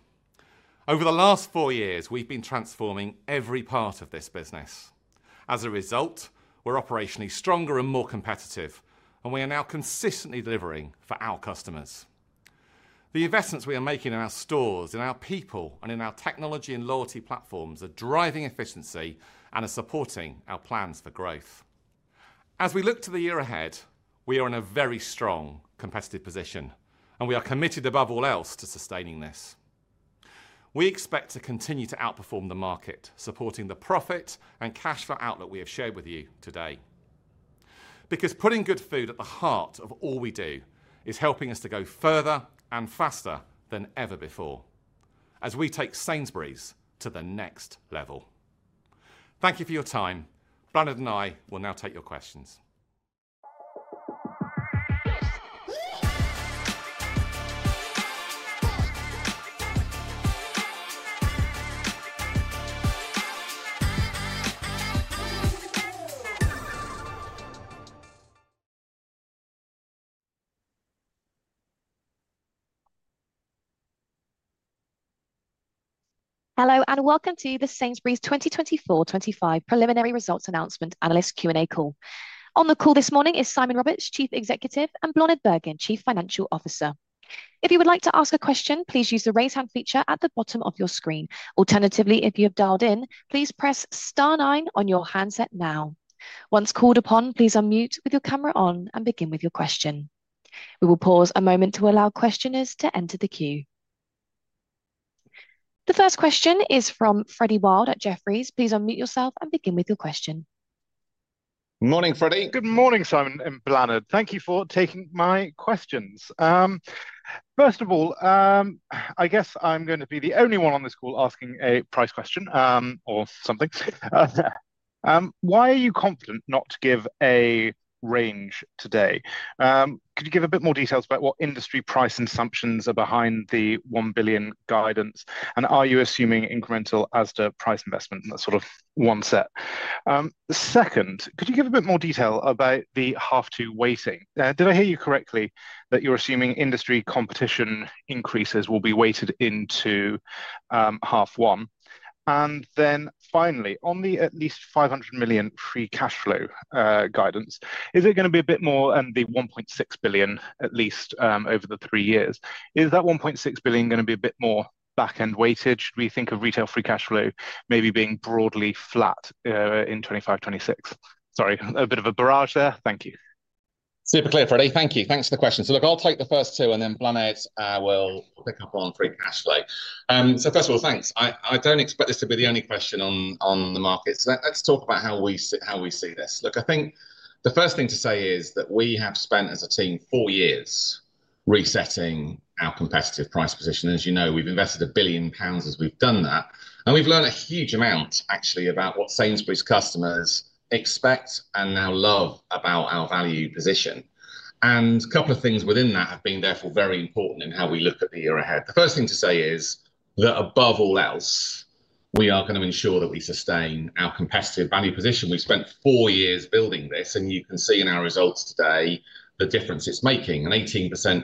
Over the last four years, we've been transforming every part of this business. As a result, we're operationally stronger and more competitive, and we are now consistently delivering for our customers. The investments we are making in our stores, in our people, and in our technology and loyalty platforms are driving efficiency and are supporting our plans for growth. As we look to the year ahead, we are in a very strong competitive position, and we are committed above all else to sustaining this. We expect to continue to outperform the market, supporting the profit and cash flow outlook we have shared with you today. Because putting good food at the heart of all we do is helping us to go further and faster than ever before as we take Sainsbury's to the next level. Thank you for your time. Bláthnaid and I will now take your questions. Hello and welcome to the Sainsbury's 2024/2025 Preliminary Results Announcement Analyst Q and A call. On the call this morning is Simon Roberts, Chief Executive, and Bláthnaid Bergin, Chief Financial Officer. If you would like to ask a question, please use the raise hand feature at the bottom of your screen. Alternatively, if you have dialed in, please press star nine on your handset now. Once called upon, please unmute with your camera on and begin with your question. We will pause a moment to allow questioners to enter the queue. The first question is from Freddie Wild at Jefferies. Please unmute yourself and begin with your question. Good morning, Freddie. Good morning, Simon and Bláthnaid. Thank you for taking my questions. First of all, I guess I'm going to be the only one on this call asking a price question or something. Why are you confident not to give a range today? Could you give a bit more details about what industry price assumptions are behind the 1 billion guidance? And are you assuming incremental Asda price investment in that sort of one set? Second, could you give a bit more detail about the half two weighting? Did I hear you correctly that you're assuming industry competition increases will be weighted into half one? Finally, on the at least 500 million free cash flow guidance, is it going to be a bit more than the 1.6 billion at least over the three years? Is that 1.6 billion going to be a bit more back-end weightage? Do we think of retail free cash flow maybe being broadly flat in 2025/2026? Sorry, a bit of a barrage there. Thank you. Super clear, Freddie. Thank you. Thanks for the question. I'll take the first two, and then Bláthnaid will pick up on free cash flow. First of all, thanks. I don't expect this to be the only question on the market. Let's talk about how we see this. I think the first thing to say is that we have spent as a team four years resetting our competitive price position. As you know, we've invested 1 billion pounds as we've done that. We've learned a huge amount actually about what Sainsbury's customers expect and now love about our value position. A couple of things within that have been therefore very important in how we look at the year ahead. The first thing to say is that above all else, we are going to ensure that we sustain our competitive value position. We've spent four years building this, and you can see in our results today the difference it's making, an 18%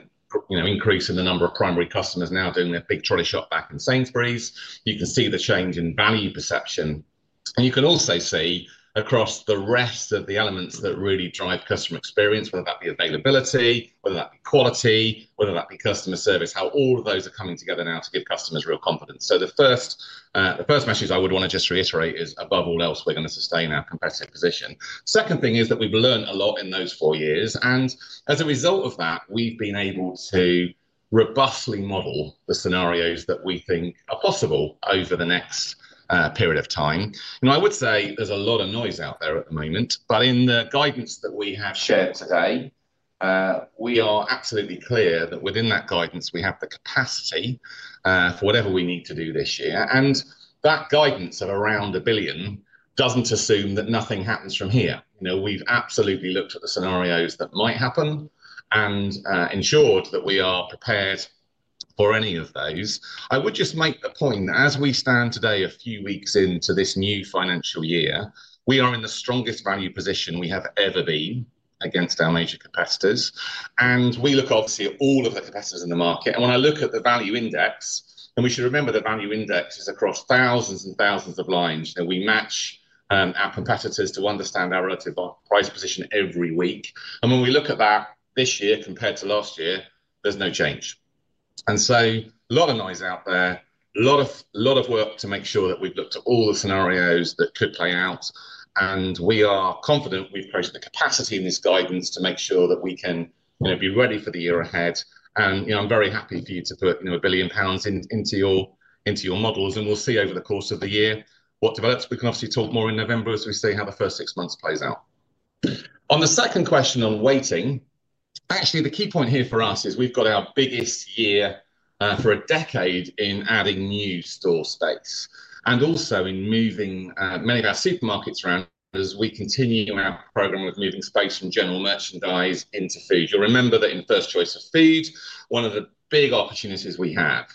increase in the number of primary customers now doing their big trolley shop back in Sainsbury's. You can see the change in value perception. You can also see across the rest of the elements that really drive customer experience, whether that be availability, whether that be quality, whether that be customer service, how all of those are coming together now to give customers real confidence. The first message I would want to just reiterate is above all else, we're going to sustain our competitive position. The second thing is that we've learned a lot in those four years. As a result of that, we've been able to robustly model the scenarios that we think are possible over the next period of time. I would say there's a lot of noise out there at the moment, but in the guidance that we have shared today, we are absolutely clear that within that guidance, we have the capacity for whatever we need to do this year. That guidance of around 1 billion doesn't assume that nothing happens from here. We've absolutely looked at the scenarios that might happen and ensured that we are prepared for any of those. I would just make the point that as we stand today, a few weeks into this new financial year, we are in the strongest value position we have ever been against our major competitors. We look obviously at all of the competitors in the market. When I look at the value index, and we should remember the value index is across thousands and thousands of lines, that we match our competitors to understand our relative price position every week. When we look at that this year compared to last year, there's no change. There is a lot of noise out there, a lot of work to make sure that we've looked at all the scenarios that could play out. We are confident we've created the capacity in this guidance to make sure that we can be ready for the year ahead. I'm very happy for you to put 1 billion pounds into your models. We will see over the course of the year what develops. We can obviously talk more in November as we see how the first six months plays out. On the second question on weighting, actually the key point here for us is we've got our biggest year for a decade in adding new store space. Also, in moving many of our supermarkets around as we continue our program with moving space from general merchandise into food. You'll remember that in first choice of food, one of the big opportunities we have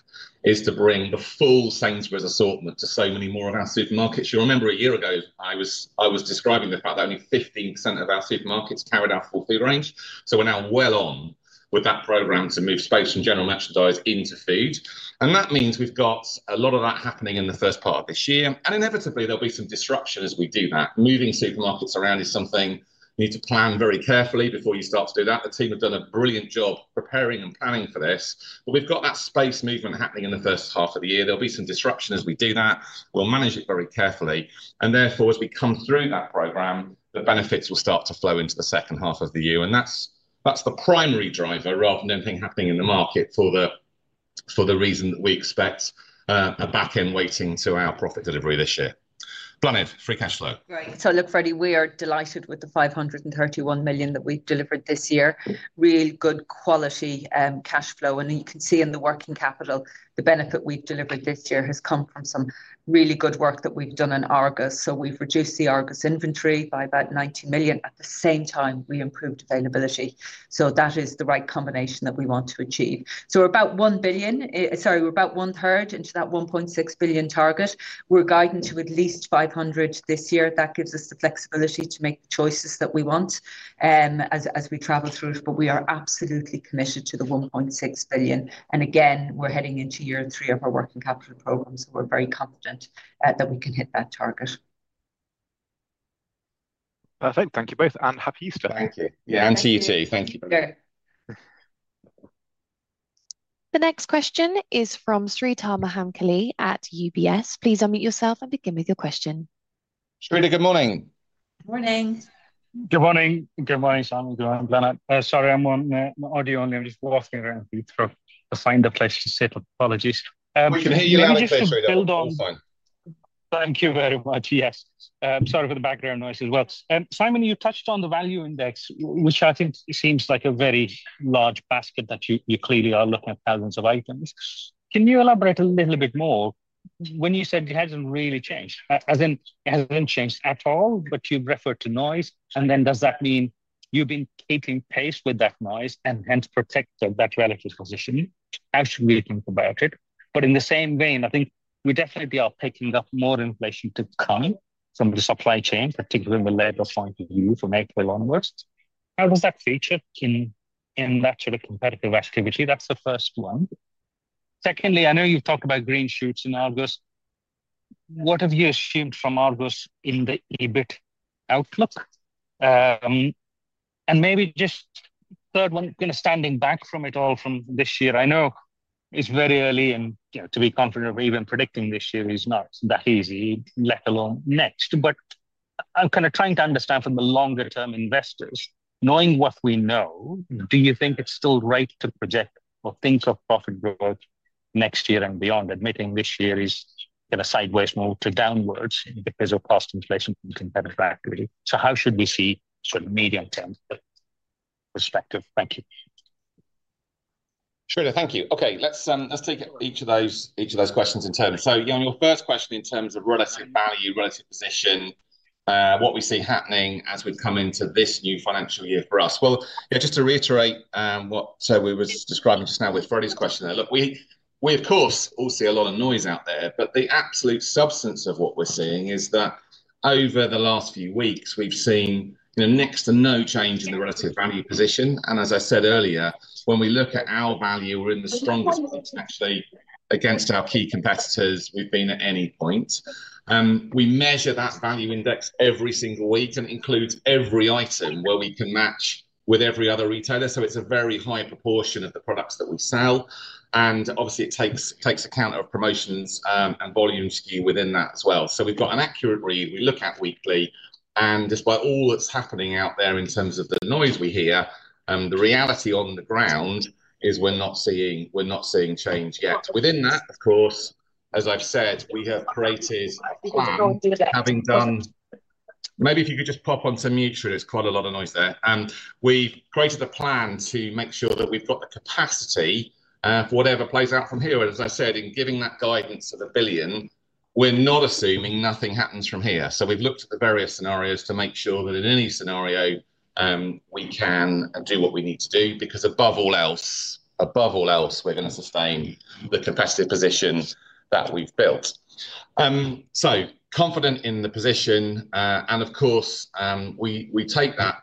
is to bring the full Sainsbury's assortment to so many more of our supermarkets. You'll remember a year ago, I was describing the fact that only 15% of our supermarkets carried our full food range. We're now well on with that program to move space from general merchandise into food. That means we've got a lot of that happening in the first part of this year. Inevitably, there'll be some disruption as we do that. Moving supermarkets around is something you need to plan very carefully before you start to do that. The team have done a brilliant job preparing and planning for this. We have got that space movement happening in the first half of the year. There will be some disruption as we do that. We will manage it very carefully. Therefore, as we come through that program, the benefits will start to flow into the second half of the year. That is the primary driver rather than anything happening in the market for the reason that we expect a back-end weighting to our profit delivery this year. Bláthnaid, free cash flow. Great. Look, Freddie, we are delighted with the 531 million that we've delivered this year. Real good quality cash flow. You can see in the working capital, the benefit we've delivered this year has come from some really good work that we've done in Argos. We've reduced the Argos inventory by about 90 million. At the same time, we improved availability. That is the right combination that we want to achieve. We're about 1 billion, sorry, we're about 1/3 into that 1.6 billion target. We're guiding to at least 500 million this year. That gives us the flexibility to make the choices that we want as we travel through. We are absolutely committed to the 1.6 billion. Again, we're heading into year three of our working capital program. We're very confident that we can hit that target. Perfect. Thank you both. Happy Easter. Thank you. Yeah, and to you too. Thank you. The next question is from Sreedhar Mahamkali at UBS. Please unmute yourself and begin with your question. Sreedhar, good morning. Good morning. Good morning. Good morning, Simon. Good morning, Bláthnaid. Sorry, I'm on audio only. I'm just walking around to find a place to sit. Apologies. We can hear you loud and clear through it. Thank you very much. Yes. Sorry for the background noise as well. Simon, you touched on the value index, which I think seems like a very large basket that you clearly are looking at thousands of items. Can you elaborate a little bit more when you said it hasn't really changed? It hasn't changed at all, but you've referred to noise. Does that mean you've been keeping pace with that noise and hence protected that relative position? How should we think about it? In the same vein, I think we definitely are picking up more inflation to come from the supply chain, particularly from the labor point of view, from April onwards. How does that feature in that sort of competitive activity? That's the first one. Secondly, I know you've talked about green shoots in Argos. What have you assumed from Argos in the EBIT outlook? Maybe just third one, kind of standing back from it all from this year. I know it's very early and to be confident of even predicting this year is not that easy, let alone next. I'm kind of trying to understand from the longer-term investors, knowing what we know, do you think it's still right to project or think of profit growth next year and beyond, admitting this year is a sideways move to downwards because of cost inflation from competitor factory? How should we see sort of medium-term perspective? Thank you. Sreedhar, thank you. Okay, let's take each of those questions in turn. On your first question in terms of relative value, relative position, what we see happening as we come into this new financial year for us. Just to reiterate what we were describing just now with Freddie's question there. Look, we of course all see a lot of noise out there, but the absolute substance of what we're seeing is that over the last few weeks, we've seen next to no change in the relative value position. As I said earlier, when we look at our value, we're in the strongest position actually against our key competitors we've been at any point. We measure that value index every single week and include every item where we can match with every other retailer. It's a very high proportion of the products that we sell. It takes account of promotions and volume skew within that as well. We have got an accurate read we look at weekly. Despite all that's happening out there in terms of the noise we hear, the reality on the ground is we're not seeing change yet. Within that, of course, as I've said, we have created a plan. Maybe if you could just pop on some mute, there's quite a lot of noise there. We've created a plan to make sure that we've got the capacity for whatever plays out from here. As I said, in giving that guidance to 1 billion, we're not assuming nothing happens from here. We've looked at the various scenarios to make sure that in any scenario, we can do what we need to do because above all else, above all else, we're going to sustain the competitive position that we've built. Confident in the position. Of course, we take that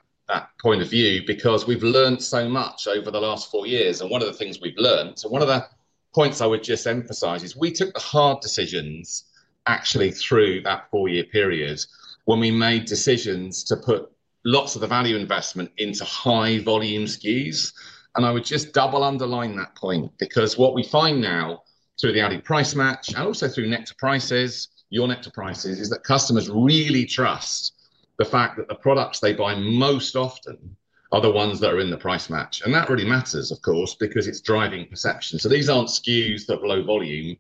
point of view because we've learned so much over the last four years. One of the things we've learned, one of the points I would just emphasize is we took the hard decisions actually through that four-year period when we made decisions to put lots of the value investment into high-volume SKUs. I would just double underline that point because what we find now through the Aldi Price Match and also through Nectar Prices, Your Nectar Prices, is that customers really trust the fact that the products they buy most often are the ones that are in the price match. That really matters, of course, because it's driving perception. These aren't SKUs that are low volume.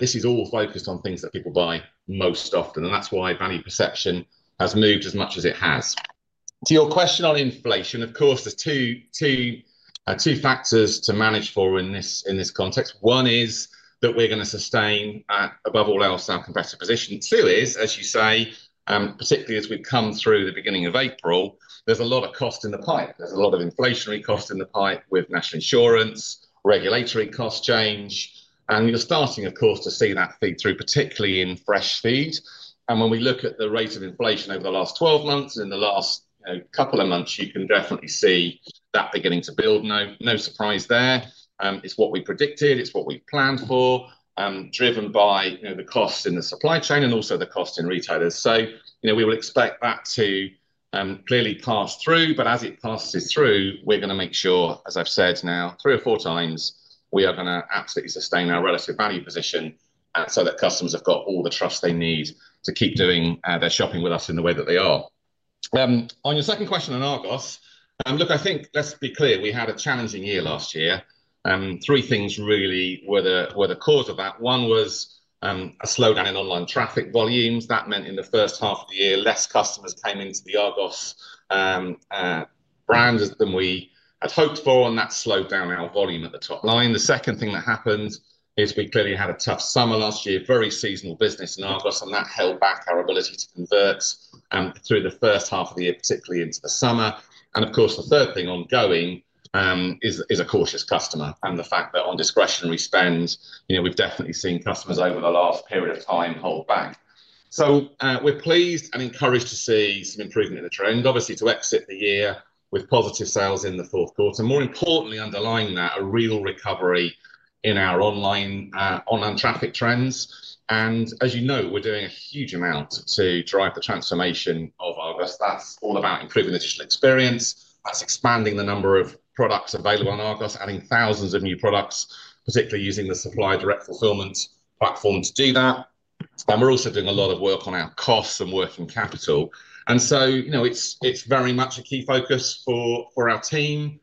This is all focused on things that people buy most often. That's why value perception has moved as much as it has. To your question on inflation, of course, there are two factors to manage for in this context. One is that we're going to sustain, above all else, our competitive position. Two is, as you say, particularly as we've come through the beginning of April, there's a lot of cost in the pipe. There's a lot of inflationary cost in the pipe with national insurance, regulatory cost change. You're starting, of course, to see that feed through, particularly in fresh feed. When we look at the rate of inflation over the last 12 months and in the last couple of months, you can definitely see that beginning to build. No surprise there. It's what we predicted. It's what we planned for, driven by the cost in the supply chain and also the cost in retailers. We will expect that to clearly pass through. As it passes through, we're going to make sure, as I've said now, three or four times, we are going to absolutely sustain our relative value position so that customers have got all the trust they need to keep doing their shopping with us in the way that they are. On your second question on Argos, look, I think let's be clear. We had a challenging year last year. Three things really were the cause of that. One was a slowdown in online traffic volumes. That meant in the first half of the year, fewer customers came into the Argos brand than we had hoped for, and that slowed down our volume at the top line. The second thing that happened is we clearly had a tough summer last year, very seasonal business in Argos, and that held back our ability to convert through the first half of the year, particularly into the summer. The third thing ongoing is a cautious customer and the fact that on discretionary spend, we've definitely seen customers over the last period of time hold back. We're pleased and encouraged to see some improvement in the trend, obviously to exit the year with positive sales in the fourth quarter. More importantly, underlying that, a real recovery in our online traffic trends. As you know, we're doing a huge amount to drive the transformation of Argos. That's all about improving the digital experience. That's expanding the number of products available on Argos, adding thousands of new products, particularly using the supplier direct fulfillment platform to do that. We're also doing a lot of work on our costs and working capital. It's very much a key focus for our team.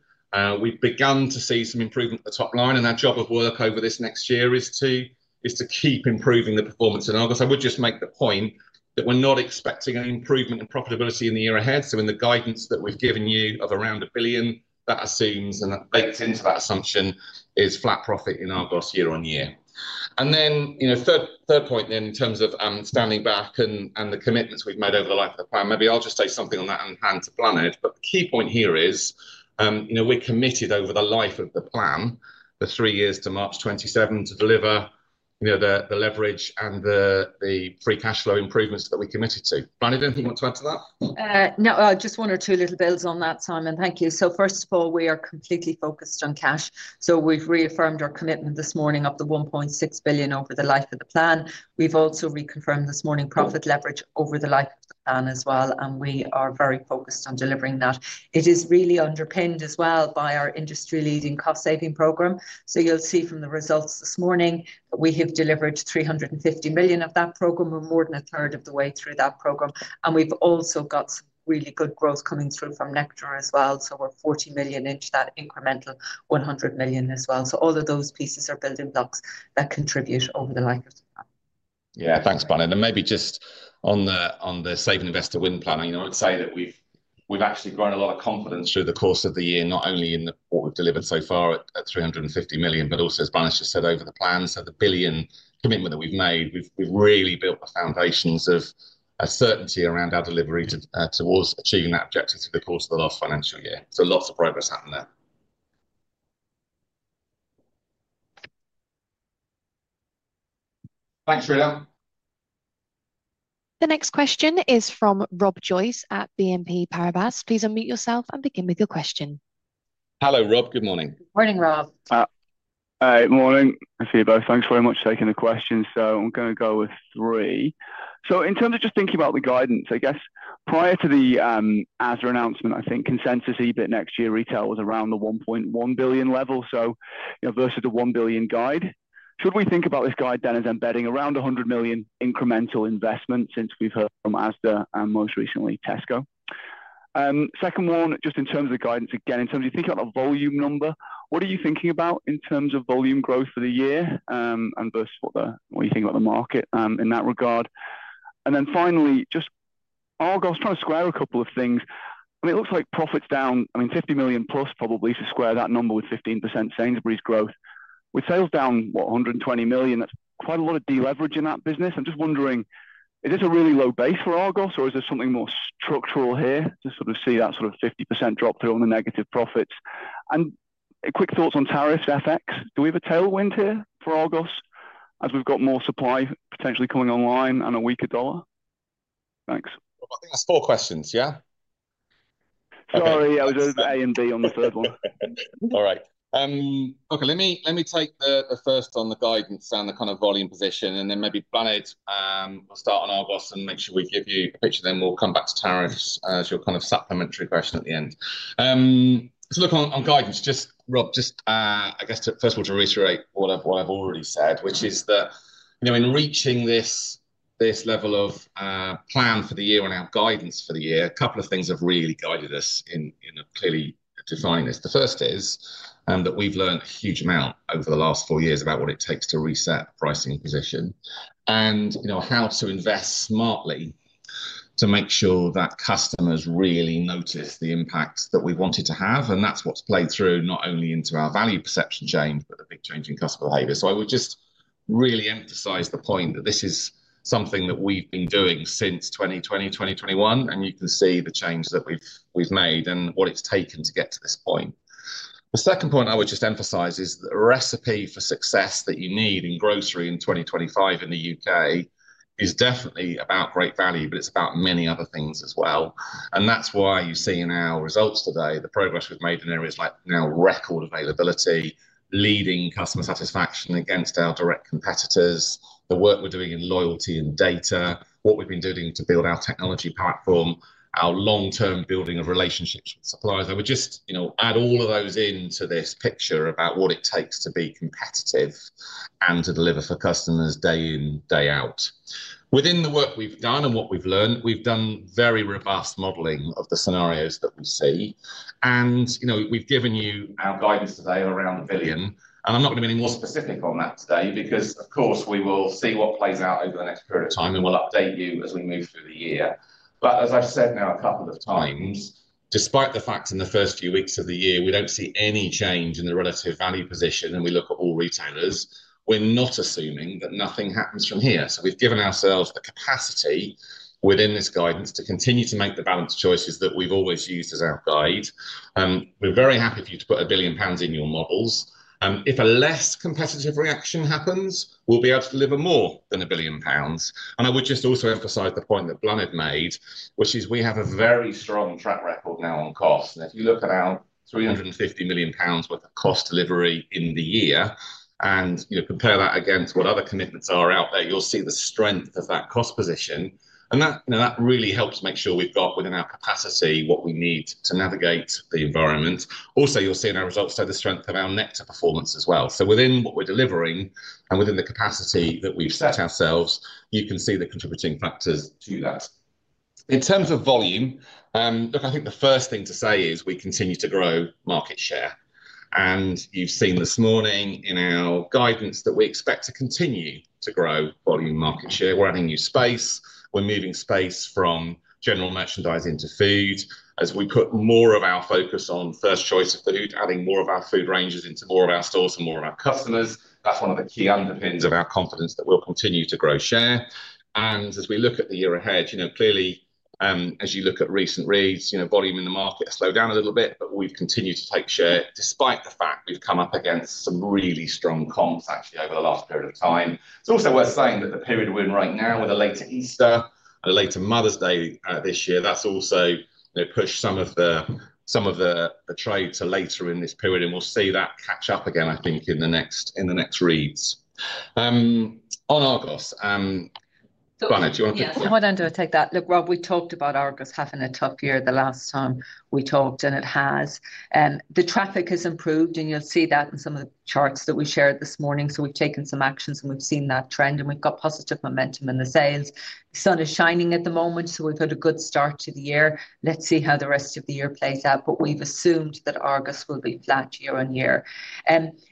We've begun to see some improvement at the top line. Our job of work over this next year is to keep improving the performance in Argos. I would just make the point that we're not expecting an improvement in profitability in the year ahead. In the guidance that we've given you of around 1 billion, that assumes, and that bakes into that assumption, flat profit in Argos year on year. The third point in terms of standing back and the commitments we've made over the life of the plan, maybe I'll just say something on that and hand to Bláthnaid. The key point here is we're committed over the life of the plan, the three years to March 2027, to deliver the leverage and the free cash flow improvements that we committed to. Bláthnaid, anything you want to add to that? No, I just wanted two little builds on that, Simon. Thank you. First of all, we are completely focused on cash. We have reaffirmed our commitment this morning of 1.6 billion over the life of the plan. We have also reconfirmed this morning profit leverage over the life of the plan as well. We are very focused on delivering that. It is really underpinned as well by our industry-leading cost-saving program. You will see from the results this morning that we have delivered 350 million of that program. We are more than a third of the way through that program. We have also got some really good growth coming through from Nectar as well. We are 40 million into that incremental 100 million as well. All of those pieces are building blocks that contribute over the life of the plan. Yeah, thanks, Bláthnaid. Maybe just on the Save and Invest to Win plan, I would say that we've actually grown a lot of confidence through the course of the year, not only in what we've delivered so far at 350 million, but also, as Bláthnaid just said, over the plan. The 1 billion commitment that we've made, we've really built the foundations of a certainty around our delivery towards achieving that objective through the course of the last financial year. Lots of progress happened there. Thanks, Sreedhar. The next question is from Rob Joyce at BNP Paribas. Please unmute yourself and begin with your question. Hello, Rob. Good morning. Good morning, Rob. Hey, good morning. I see you both. Thanks very much for taking the question. I'm going to go with three. In terms of just thinking about the guidance, I guess prior to the Asda announcement, I think consensus EBIT next year retail was around 1.1 billion versus the 1 billion guide. Should we think about this guide then as embedding around 100 million incremental investment since we've heard from Asda and most recently Tesco? Second one, just in terms of the guidance, again, in terms of you thinking about a volume number, what are you thinking about in terms of volume growth for the year versus what you think about the market in that regard? Finally, just Argos, trying to square a couple of things. I mean, it looks like profits down, I mean, 50 million plus probably to square that number with 15% Sainsbury's growth. With sales down, what, 120 million, that's quite a lot of deleverage in that business. I'm just wondering, is this a really low base for Argos, or is there something more structural here to sort of see that sort of 50% drop through on the negative profits? Quick thoughts on tariffs, FX? Do we have a tailwind here for Argos as we've got more supply potentially coming online and a weaker dollar? Thanks. I think there's four questions, yeah? Sorry, I was doing A and B on the third one. All right. Okay, let me take the first on the guidance and the kind of volume position, and then maybe Bláthnaid, we'll start on Argos and make sure we give you a picture. We will come back to tariffs as your kind of supplementary question at the end. Look, on guidance, just, Rob, just I guess, first of all, to reiterate what I've already said, which is that in reaching this level of plan for the year and our guidance for the year, a couple of things have really guided us in clearly defining this. The first is that we've learned a huge amount over the last four years about what it takes to reset pricing position and how to invest smartly to make sure that customers really notice the impact that we wanted to have. is what has played through not only into our value perception change, but the big change in customer behavior. I would just really emphasize the point that this is something that we have been doing since 2020, 2021, and you can see the change that we have made and what it has taken to get to this point. The second point I would just emphasize is that the recipe for success that you need in grocery in 2025 in the U.K. is definitely about great value, but it is about many other things as well. That is why you see in our results today the progress we have made in areas like now record availability, leading customer satisfaction against our direct competitors, the work we are doing in loyalty and data, what we have been doing to build our technology platform, our long-term building of relationships with suppliers. I would just add all of those into this picture about what it takes to be competitive and to deliver for customers day in, day out. Within the work we've done and what we've learned, we've done very robust modeling of the scenarios that we see. We've given you our guidance today around 1 billion. I'm not going to be any more specific on that today because, of course, we will see what plays out over the next period of time, and we'll update you as we move through the year. As I've said now a couple of times, despite the fact in the first few weeks of the year, we don't see any change in the relative value position, and we look at all retailers, we're not assuming that nothing happens from here. We have given ourselves the capacity within this guidance to continue to make the balanced choices that we have always used as our guide. We are very happy for you to put 1 billion pounds in your models. If a less competitive reaction happens, we will be able to deliver more than 1 billion pounds. I would just also emphasize the point that Bláthnaid made, which is we have a very strong track record now on costs. If you look at our 350 million pounds worth of cost delivery in the year and compare that against what other commitments are out there, you will see the strength of that cost position. That really helps make sure we have within our capacity what we need to navigate the environment. Also, you will see in our results today the strength of our Nectar performance as well. Within what we're delivering and within the capacity that we've set ourselves, you can see the contributing factors to that. In terms of volume, look, I think the first thing to say is we continue to grow market share. You have seen this morning in our guidance that we expect to continue to grow volume market share. We're adding new space. We're moving space from general merchandise into food. As we put more of our focus on first choice of food, adding more of our food ranges into more of our stores and more of our customers, that's one of the key underpins of our confidence that we'll continue to grow share. As we look at the year ahead, clearly, as you look at recent reads, volume in the market has slowed down a little bit, but we've continued to take share despite the fact we've come up against some really strong comps actually over the last period of time. It's also worth saying that the period we're in right now with a later Easter and a later Mother's Day this year, that's also pushed some of the trade to later in this period. We'll see that catch up again, I think, in the next reads. On Argos, Bláthnaid, do you want to take that? Yeah, I might undertake that. Look, Rob, we talked about Argos having a tough year the last time we talked, and it has. The traffic has improved, and you'll see that in some of the charts that we shared this morning. We have taken some actions, and we've seen that trend, and we've got positive momentum in the sales. The sun is shining at the moment, so we've had a good start to the year. Let's see how the rest of the year plays out, but we've assumed that Argos will be flat year on year.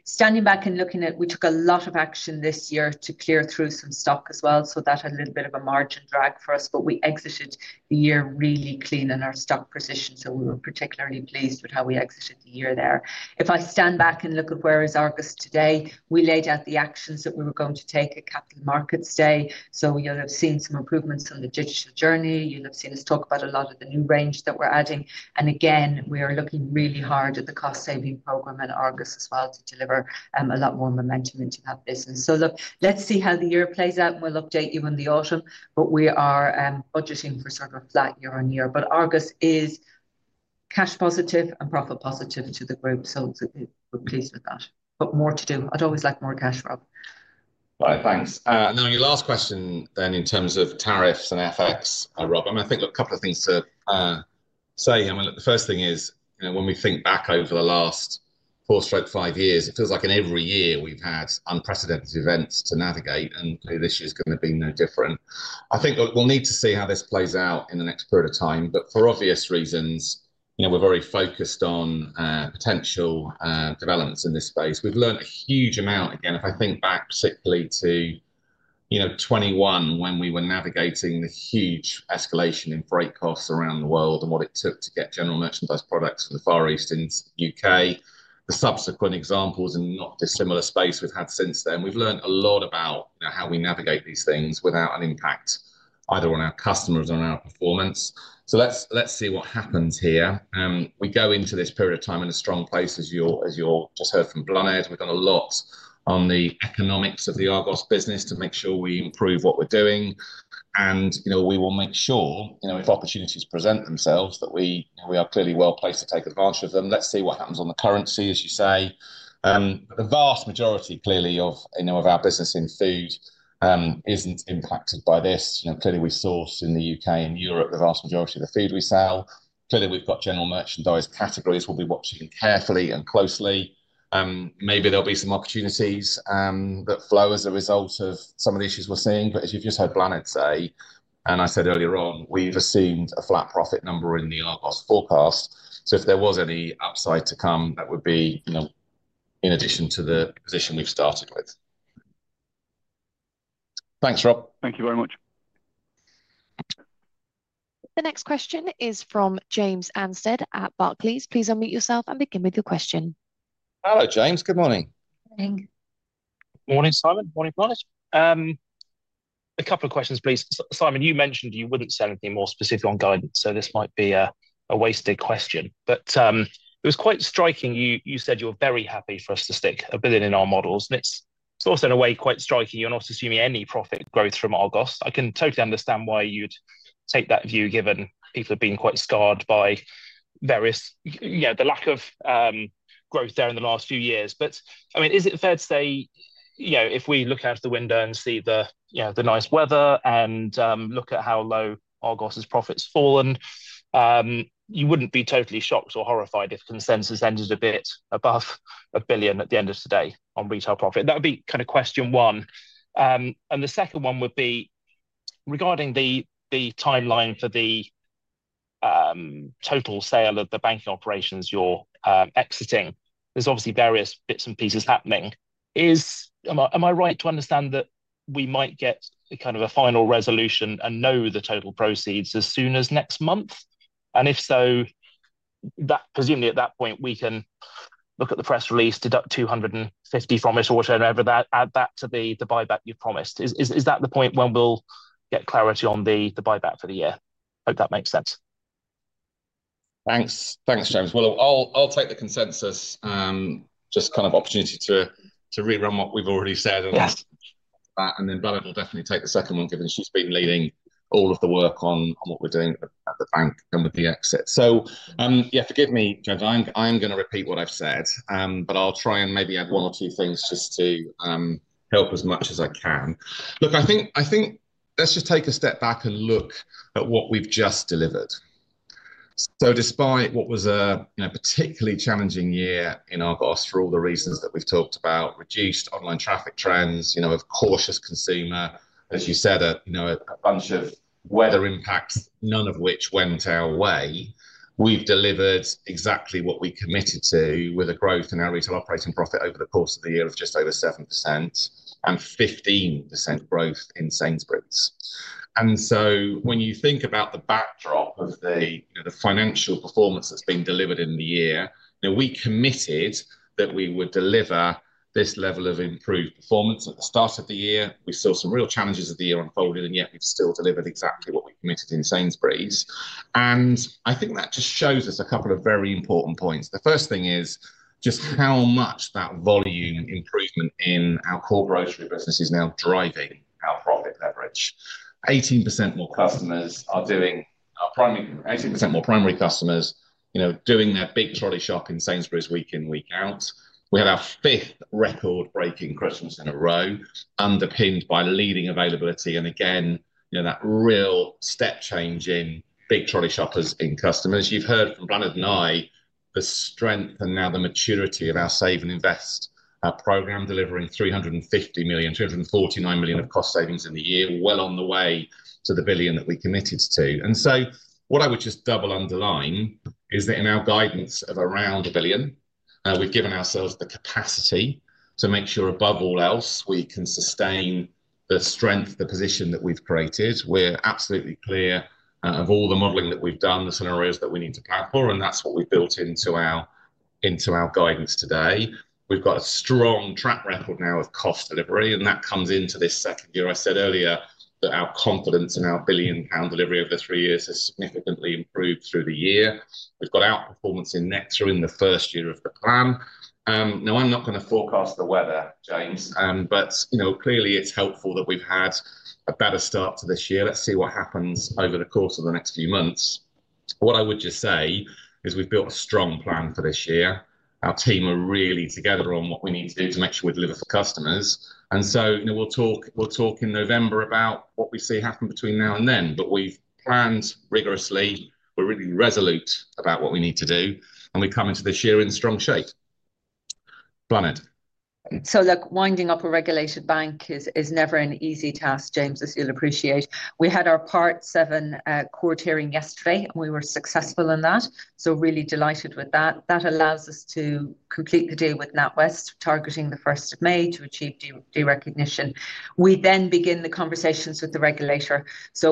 Standing back and looking at it, we took a lot of action this year to clear through some stock as well. That had a little bit of a margin drag for us, but we exited the year really clean in our stock position. We were particularly pleased with how we exited the year there. If I stand back and look at where is Argos today, we laid out the actions that we were going to take at Capital Markets Day. You'll have seen some improvements on the digital journey. You'll have seen us talk about a lot of the new range that we're adding. Again, we are looking really hard at the cost-saving program in Argos as well to deliver a lot more momentum into that business. Look, let's see how the year plays out, and we'll update you in the autumn, but we are budgeting for sort of flat year on year. Argos is cash positive and profit positive to the group, so we're pleased with that. More to do. I'd always like more cash, Rob. Bláthnaid, thanks. On your last question in terms of tariffs and FX, Rob, I think, look, a couple of things to say. The first thing is when we think back over the last four to five years, it feels like in every year we've had unprecedented events to navigate, and this year is going to be no different. I think we'll need to see how this plays out in the next period of time. For obvious reasons, we're very focused on potential developments in this space. We've learned a huge amount. Again, if I think back particularly to 2021 when we were navigating the huge escalation in freight costs around the world and what it took to get general merchandise products from the Far East into the U.K., the subsequent examples and not dissimilar space we've had since then, we've learned a lot about how we navigate these things without an impact either on our customers or on our performance. Let's see what happens here. We go into this period of time in a strong place, as you'll just hear from Bláthnaid. We've done a lot on the economics of the Argos business to make sure we improve what we're doing. We will make sure, if opportunities present themselves, that we are clearly well placed to take advantage of them. Let's see what happens on the currency, as you say. The vast majority, clearly, of our business in food is not impacted by this. Clearly, we source in the U.K. and Europe, the vast majority of the food we sell. Clearly, we have general merchandise categories we will be watching carefully and closely. Maybe there will be some opportunities that flow as a result of some of the issues we are seeing. As you have just heard Bláthnaid say, and I said earlier on, we have assumed a flat profit number in the Argos forecast. If there was any upside to come, that would be in addition to the position we have started with. Thanks, Rob. Thank you very much. The next question is from James Anstead at Barclays. Please unmute yourself and begin with your question. Hello, James. Good morning. Good morning. Good morning, Simon. Morning, Bláthnaid. A couple of questions, please. Simon, you mentioned you would not say anything more specific on guidance, so this might be a wasted question. It was quite striking. You said you were very happy for us to stick 1 billion in our models. It is also, in a way, quite striking. You are not assuming any profit growth from Argos. I can totally understand why you would take that view, given people have been quite scarred by the lack of growth there in the last few years. I mean, is it fair to say, if we look out the window and see the nice weather and look at how low Argos's profit has fallen, you would not be totally shocked or horrified if consensus ended a bit above 1 billion at the end of today on retail profit? That would be kind of question one. The second one would be regarding the timeline for the total sale of the banking operations you're exiting. There's obviously various bits and pieces happening. Am I right to understand that we might get kind of a final resolution and know the total proceeds as soon as next month? If so, presumably at that point, we can look at the press release, deduct 250 million from it, or whatever, add that to the buyback you've promised. Is that the point when we'll get clarity on the buyback for the year? Hope that makes sense. Thanks, James. I will take the consensus, just kind of opportunity to rerun what we've already said. Bláthnaid will definitely take the second one, given she's been leading all of the work on what we're doing at the bank and with the exit. Yeah, forgive me, James. I am going to repeat what I've said, but I'll try and maybe add one or two things just to help as much as I can. Look, I think let's just take a step back and look at what we've just delivered. Despite what was a particularly challenging year in Argos for all the reasons that we've talked about, reduced online traffic trends, a cautious consumer, as you said, a bunch of weather impacts, none of which went our way, we've delivered exactly what we committed to with a growth in our retail operating profit over the course of the year of just over 7% and 15% growth in Sainsbury's. When you think about the backdrop of the financial performance that's been delivered in the year, we committed that we would deliver this level of improved performance at the start of the year. We saw some real challenges as the year unfolded, yet we've still delivered exactly what we committed in Sainsbury's. I think that just shows us a couple of very important points. The first thing is just how much that volume improvement in our core grocery business is now driving our profit leverage. 18% more customers are doing our primary, 18% more primary customers doing their big trolley shop in Sainsbury's week in, week out. We had our fifth record-breaking Christmas in a row, underpinned by leading availability and, again, that real step change in big trolley shoppers in customers. You've heard from Bláthnaid and I the strength and now the maturity of our Save and Invest program, delivering 350 million-249 million of cost savings in the year, well on the way to the 1 billion that we committed to. What I would just double underline is that in our guidance of around 1 billion, we have given ourselves the capacity to make sure, above all else, we can sustain the strength, the position that we have created. We are absolutely clear of all the modeling that we have done, the scenarios that we need to plan for, and that is what we have built into our guidance today. We have a strong track record now of cost delivery, and that comes into this second year. I said earlier that our confidence in our 1 billion pound delivery over the three years has significantly improved through the year. We have got outperformance in Nectar in the first year of the plan. I am not going to forecast the weather, James, but clearly, it is helpful that we have had a better start to this year. Let us see what happens over the course of the next few months. What I would just say is we've built a strong plan for this year. Our team are really together on what we need to do to make sure we deliver for customers. We will talk in November about what we see happen between now and then, but we've planned rigorously. We're really resolute about what we need to do, and we come into this year in strong shape. Bláthnaid. Look, winding up a regulated bank is never an easy task, James, as you'll appreciate. We had our part seven court hearing yesterday, and we were successful in that. Really delighted with that. That allows us to complete the deal with NatWest, targeting 1st May to achieve de-recognition. We then begin the conversations with the regulator.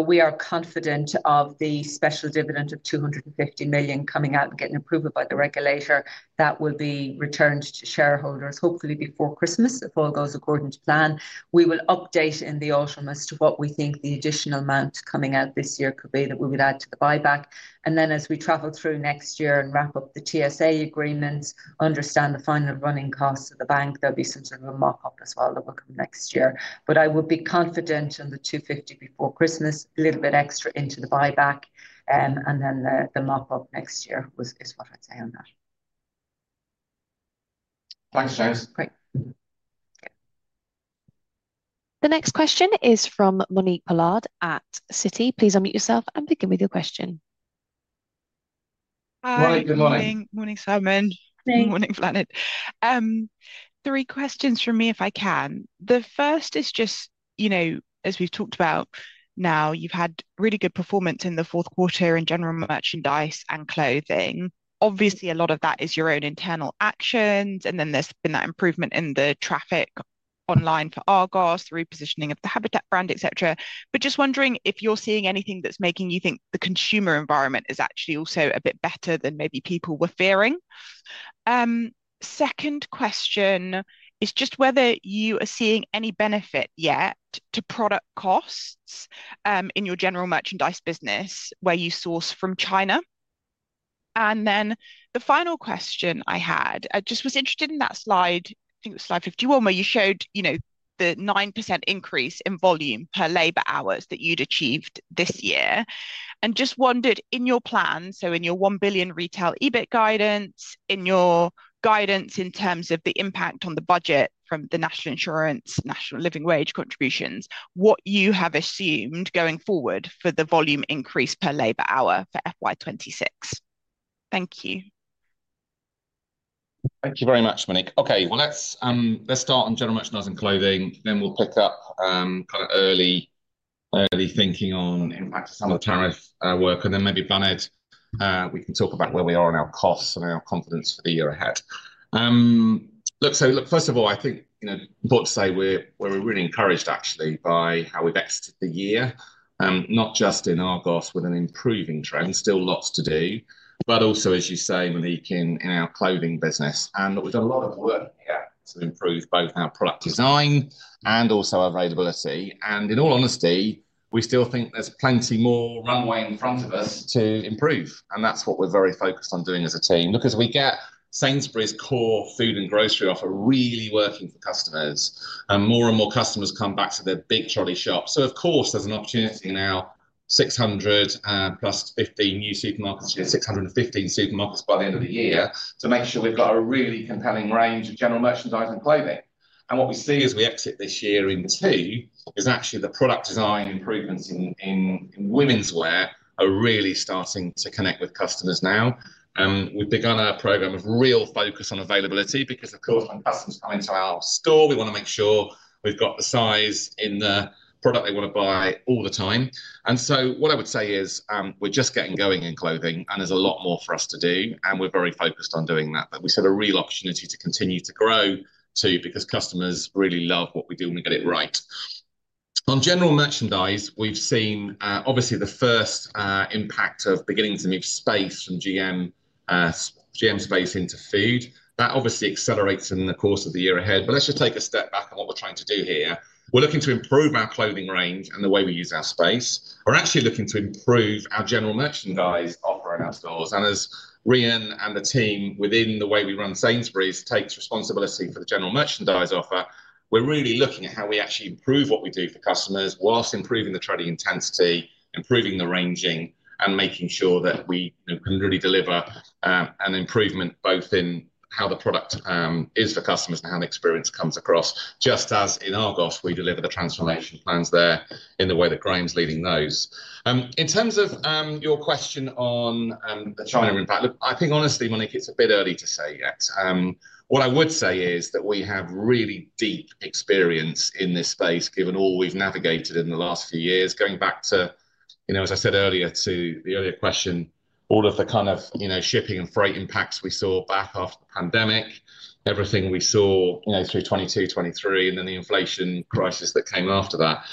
We are confident of the special dividend of 250 million coming out and getting approval by the regulator. That will be returned to shareholders, hopefully before Christmas, if all goes according to plan. We will update in the autumn as to what we think the additional amount coming out this year could be that we would add to the buyback. As we travel through next year and wrap up the TSA agreements, understand the final running costs of the bank, there will be some sort of a mock-up as well that will come next year. I would be confident in the 250 million before Christmas, a little bit extra into the buyback, and then the mock-up next year is what I would say on that. Thanks, James. The next question is from Monique Pollard at Citi. Please unmute yourself and begin with your question. Hi. Good morning Morning, Simon. Morning. Morning, Bláthnaid. Three questions from me, if I can. The first is just, as we've talked about now, you've had really good performance in the fourth quarter in general merchandise and clothing. Obviously, a lot of that is your own internal actions, and then there's been that improvement in the traffic online for Argos, the repositioning of the Habitat brand, et cetera. Just wondering if you're seeing anything that's making you think the consumer environment is actually also a bit better than maybe people were fearing. Second question is just whether you are seeing any benefit yet to product costs in your general merchandise business where you source from China. The final question I had, I just was interested in that slide, I think it was slide 51, where you showed the 9% increase in volume per labor hours that you'd achieved this year. I just wondered, in your plan, in your 1 billion retail EBIT guidance, in your guidance in terms of the impact on the budget from the National Insurance, National Living Wage contributions, what you have assumed going forward for the volume increase per labor hour for FY2026? Thank you. Thank you very much, Monique. Okay, let's start on general merchandise and clothing, then we'll pick up kind of early thinking on impact of some of the tariff work, and then maybe, Bláthnaid, we can talk about where we are on our costs and our confidence for the year ahead. Look, first of all, I think it's important to say we're really encouraged, actually, by how we've exited the year, not just in Argos with an improving trend, still lots to do, but also, as you say, Monique, in our clothing business. We've done a lot of work here to improve both our product design and also our availability. In all honesty, we still think there's plenty more runway in front of us to improve. That's what we're very focused on doing as a team. Look, as we get Sainsbury's core food and grocery offer really working for customers, and more and more customers come back to their big trolley shops, there is an opportunity now, 600+15 new supermarkets, 615 supermarkets by the end of the year, to make sure we've got a really compelling range of general merchandise and clothing. What we see as we exit this year in two is actually the product design improvements in women's wear are really starting to connect with customers now. We've begun a program of real focus on availability because, of course, when customers come into our store, we want to make sure we've got the size in the product they want to buy all the time. What I would say is we're just getting going in clothing, and there's a lot more for us to do, and we're very focused on doing that. We saw a real opportunity to continue to grow too because customers really love what we do when we get it right. On general merchandise, we've seen obviously the first impact of beginning to move space from GM space into food. That obviously accelerates in the course of the year ahead. Let's just take a step back on what we're trying to do here. We're looking to improve our clothing range and the way we use our space. We're actually looking to improve our general merchandise offer in our stores. As Rhian and the team within the way we run Sainsbury's takes responsibility for the general merchandise offer, we're really looking at how we actually improve what we do for customers whilst improving the trending intensity, improving the ranging, and making sure that we can really deliver an improvement both in how the product is for customers and how the experience comes across, just as in Argos, we deliver the transformation plans there in the way that Graham's leading those. In terms of your question on the China impact, look, I think honestly, Monique, it's a bit early to say yet. What I would say is that we have really deep experience in this space, given all we've navigated in the last few years, going back to, as I said earlier, to the earlier question, all of the kind of shipping and freight impacts we saw back after the pandemic, everything we saw through 2022, 2023, and then the inflation crisis that came after that.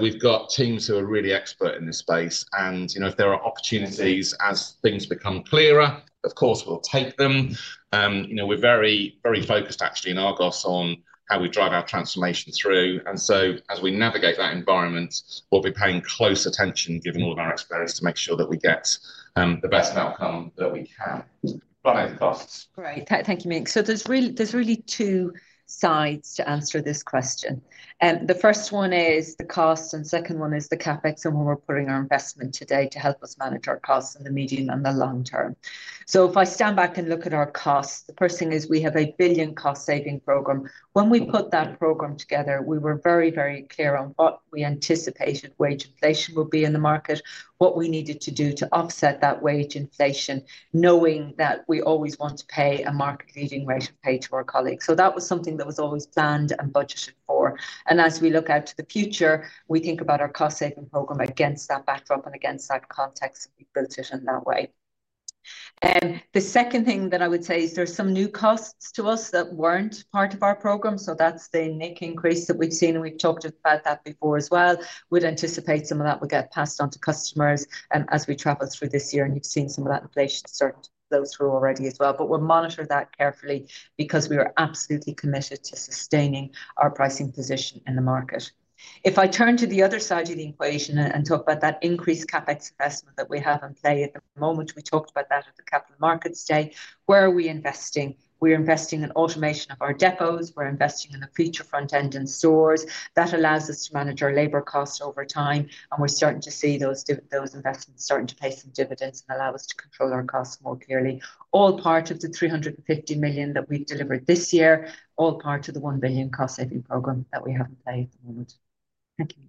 We have teams who are really expert in this space. If there are opportunities as things become clearer, of course, we'll take them. We're very focused, actually, in Argos on how we drive our transformation through. As we navigate that environment, we'll be paying close attention, given all of our experience, to make sure that we get the best outcome that we can. Bláthnaid, the costs. Great. Thank you, Monique. There are really two sides to answer this question. The first one is the cost, and the second one is the CapEx and where we're putting our investment today to help us manage our costs in the medium and the long term. If I stand back and look at our costs, the first thing is we have a 1 billion cost saving program. When we put that program together, we were very, very clear on what we anticipated wage inflation would be in the market, what we needed to do to offset that wage inflation, knowing that we always want to pay a market-leading rate of pay to our colleagues. That was something that was always planned and budgeted for. As we look out to the future, we think about our cost saving program against that backdrop and against that context that we've built it in that way. The second thing that I would say is there are some new costs to us that were not part of our program. That is the NIC increase that we've seen, and we've talked about that before as well. We'd anticipate some of that will get passed on to customers as we travel through this year, and you've seen some of that inflation start to flow through already as well. We'll monitor that carefully because we are absolutely committed to sustaining our pricing position in the market. If I turn to the other side of the equation and talk about that increased CapEx investment that we have in play at the moment, we talked about that at the Capital Markets Day. Where are we investing? We're investing in automation of our depots. We're investing in the feature front-end and stores. That allows us to manage our labor costs over time, and we're starting to see those investments starting to pay some dividends and allow us to control our costs more clearly, all part of the 350 million that we've delivered this year, all part of the 1 billion cost saving program that we have in play at the moment. Thank you.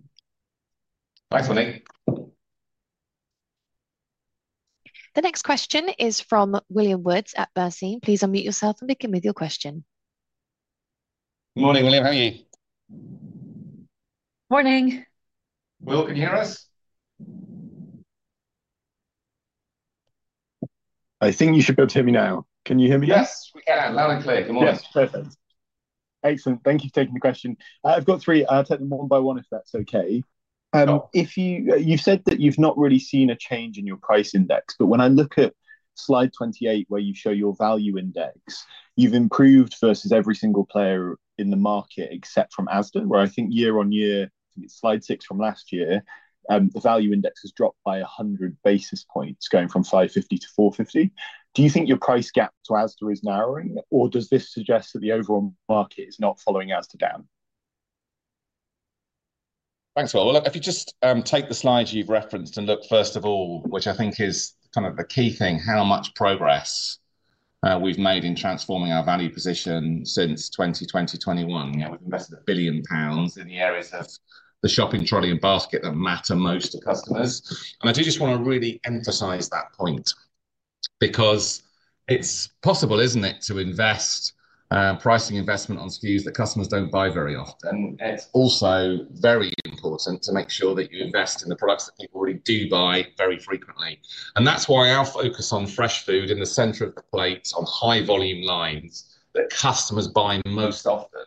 Thanks, Monique. The next question is from William Woods at Bernstein. Please unmute yourself and begin with your question. Good morning, William. How are you? Morning. Will, can you hear us? I think you should be able to hear me now. Can you hear me? Yes, we can now. Loud and clear. Good morning. Yes, perfect. Excellent. Thank you for taking the question. I've got three. I'll take them one by one if that's okay. You've said that you've not really seen a change in your price index, but when I look at slide 28, where you show your value index, you've improved versus every single player in the market except from Asda, where I think year on year, I think it's slide six from last year, the value index has dropped by 100 basis points going from 550 basis points to 450 basis points. Do you think your price gap to Asda is narrowing, or does this suggest that the overall market is not following Asda down? Thanks, Will. Look, if you just take the slides you've referenced and look, first of all, which I think is kind of the key thing, how much progress we've made in transforming our value position since 2020, 2021. We've invested 1 billion pounds in the areas of the shopping trolley and basket that matter most to customers. I do just want to really emphasize that point because it's possible, isn't it, to invest pricing investment on SKUs that customers do not buy very often. It is also very important to make sure that you invest in the products that people already do buy very frequently. That is why our focus on fresh food in the center of the plates on high-volume lines that customers buy most often,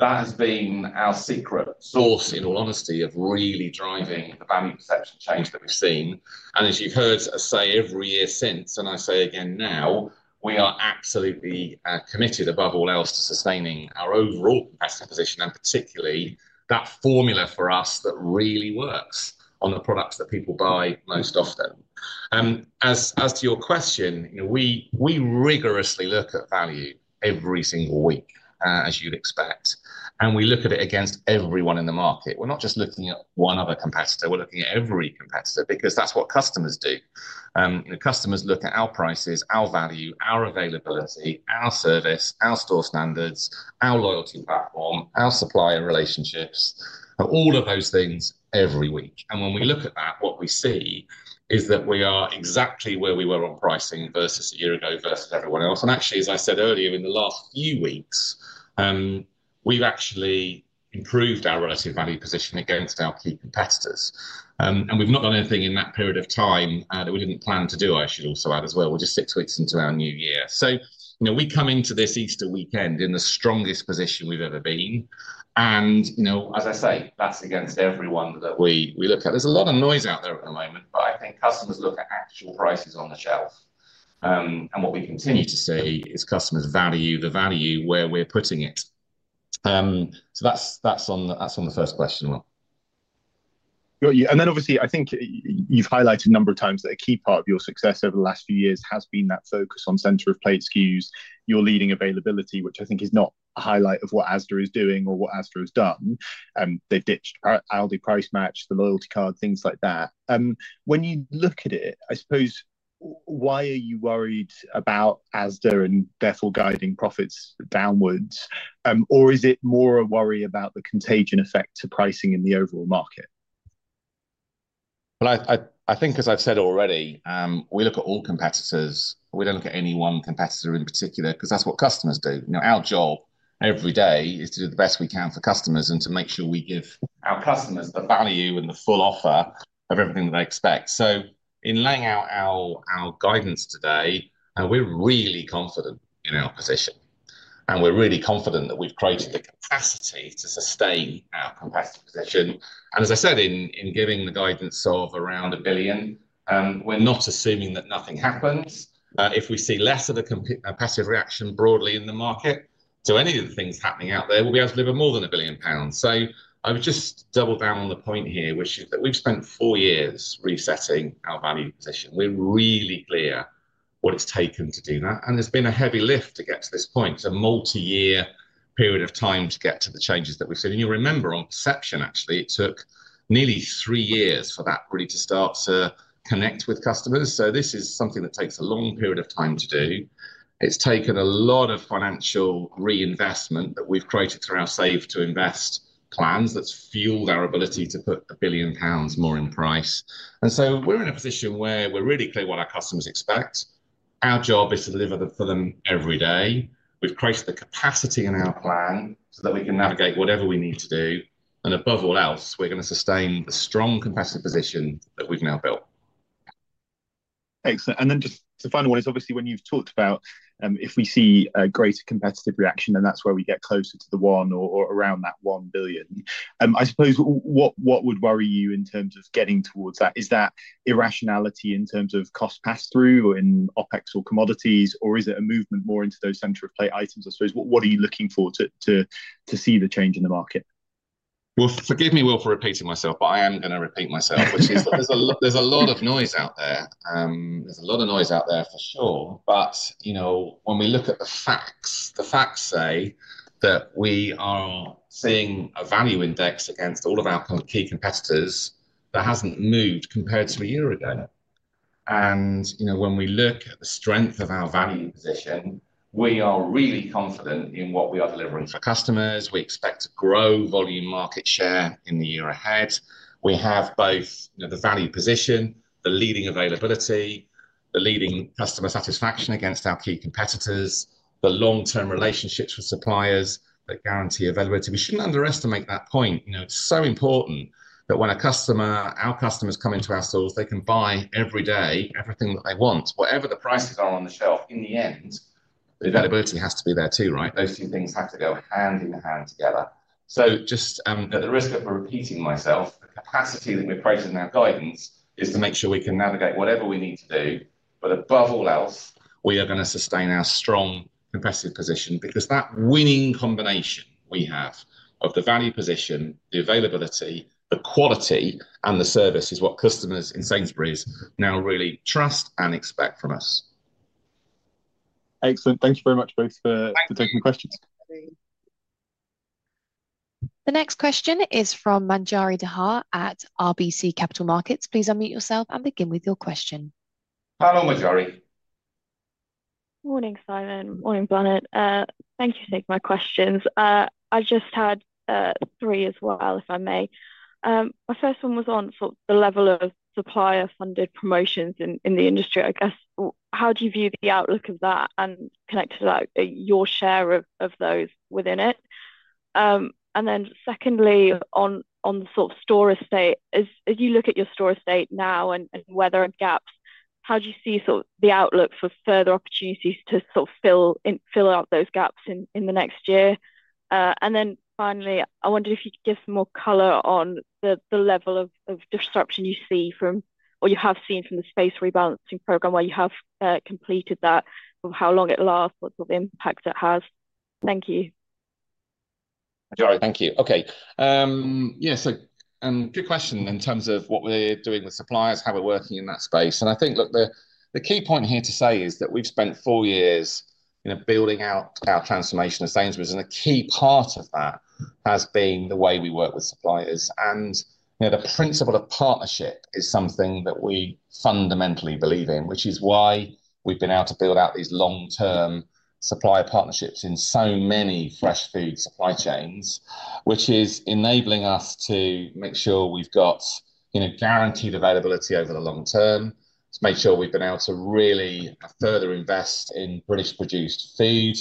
that has been our secret sauce, in all honesty, of really driving the value perception change that we've seen. As you have heard us say every year since, and I say again now, we are absolutely committed above all else to sustaining our overall capacity position and particularly that formula for us that really works on the products that people buy most often. As to your question, we rigorously look at value every single week, as you would expect, and we look at it against everyone in the market. We are not just looking at one other competitor. We are looking at every competitor because that is what customers do. Customers look at our prices, our value, our availability, our service, our store standards, our loyalty platform, our supplier relationships, all of those things every week. When we look at that, what we see is that we are exactly where we were on pricing versus a year ago versus everyone else. Actually, as I said earlier, in the last few weeks, we've actually improved our relative value position against our key competitors. We've not done anything in that period of time that we didn't plan to do, I should also add as well. We're just six weeks into our new year. We come into this Easter weekend in the strongest position we've ever been. As I say, that's against everyone that we look at. There's a lot of noise out there at the moment, but I think customers look at actual prices on the shelf. What we continue to see is customers value the value where we're putting it. That's on the first question, Will. Got you. Obviously, I think you've highlighted a number of times that a key part of your success over the last few years has been that focus on center of plate SKUs, your leading availability, which I think is not a highlight of what Asda is doing or what Asda has done. They've ditched Aldi Price Match, the loyalty card, things like that. When you look at it, I suppose, why are you worried about Asda and therefore guiding profits downwards, or is it more a worry about the contagion effect to pricing in the overall market? I think, as I've said already, we look at all competitors. We don't look at any one competitor in particular because that's what customers do. Our job every day is to do the best we can for customers and to make sure we give our customers the value and the full offer of everything that they expect. In laying out our guidance today, we're really confident in our position. We're really confident that we've created the capacity to sustain our competitive position. As I said, in giving the guidance of around 1 billion, we're not assuming that nothing happens. If we see less of a passive reaction broadly in the market to any of the things happening out there, we'll be able to deliver more than 1 billion pounds. I would just double down on the point here, which is that we've spent four years resetting our value position. We're really clear what it's taken to do that. It's been a heavy lift to get to this point, a multi-year period of time to get to the changes that we've seen. You'll remember on perception, actually, it took nearly three years for that really to start to connect with customers. This is something that takes a long period of time to do. It's taken a lot of financial reinvestment that we've created through our Save to Invest plans that's fueled our ability to put 1 billion pounds more in price. We're in a position where we're really clear what our customers expect. Our job is to deliver for them every day. have created the capacity in our plan so that we can navigate whatever we need to do. Above all else, we are going to sustain the strong competitive position that we have now built. Excellent. Just the final one is obviously when you've talked about if we see a greater competitive reaction, and that's where we get closer to the 1 billion. I suppose what would worry you in terms of getting towards that? Is that irrationality in terms of cost pass-through or in OpEx or commodities, or is it a movement more into those center of plate items? I suppose, what are you looking for to see the change in the market? Forgive me, Will, for repeating myself, but I am going to repeat myself, which is that there's a lot of noise out there. There's a lot of noise out there for sure. When we look at the facts, the facts say that we are seeing a value index against all of our key competitors that hasn't moved compared to a year ago. When we look at the strength of our value position, we are really confident in what we are delivering for customers. We expect to grow volume market share in the year ahead. We have both the value position, the leading availability, the leading customer satisfaction against our key competitors, the long-term relationships with suppliers that guarantee availability. We shouldn't underestimate that point. It's so important that when our customers come into our stores, they can buy every day everything that they want, whatever the prices are on the shelf. In the end, the availability has to be there too, right? Those two things have to go hand in hand together. Just at the risk of repeating myself, the capacity that we've created in our guidance is to make sure we can navigate whatever we need to do. Above all else, we are going to sustain our strong competitive position because that winning combination we have of the value position, the availability, the quality, and the service is what customers in Sainsbury's now really trust and expect from us. Excellent. Thank you very much, both, for taking the questions. The next question is from Manjari Dhar at RBC Capital Markets. Please unmute yourself and begin with your question. Hello, Manjari. Morning, Simon. Morning, Bláthnaid. Thank you for taking my questions. I just had three as well, if I may. My first one was on the level of supplier-funded promotions in the industry, I guess. How do you view the outlook of that and connect to your share of those within it? My second one, on the store estate, as you look at your store estate now and weather and gaps, how do you see the outlook for further opportunities to fill out those gaps in the next year? Finally, I wondered if you could give some more color on the level of disruption you see from, or you have seen from the space rebalancing program where you have completed that, how long it lasts, what sort of impact it has. Thank you. Manjari, thank you. Okay. Yeah, good question in terms of what we're doing with suppliers, how we're working in that space. I think, look, the key point here to say is that we've spent four years building out our transformation of Sainsbury's, and a key part of that has been the way we work with suppliers. The principle of partnership is something that we fundamentally believe in, which is why we've been able to build out these long-term supplier partnerships in so many fresh food supply chains, which is enabling us to make sure we've got guaranteed availability over the long term, to make sure we've been able to really further invest in British-produced food,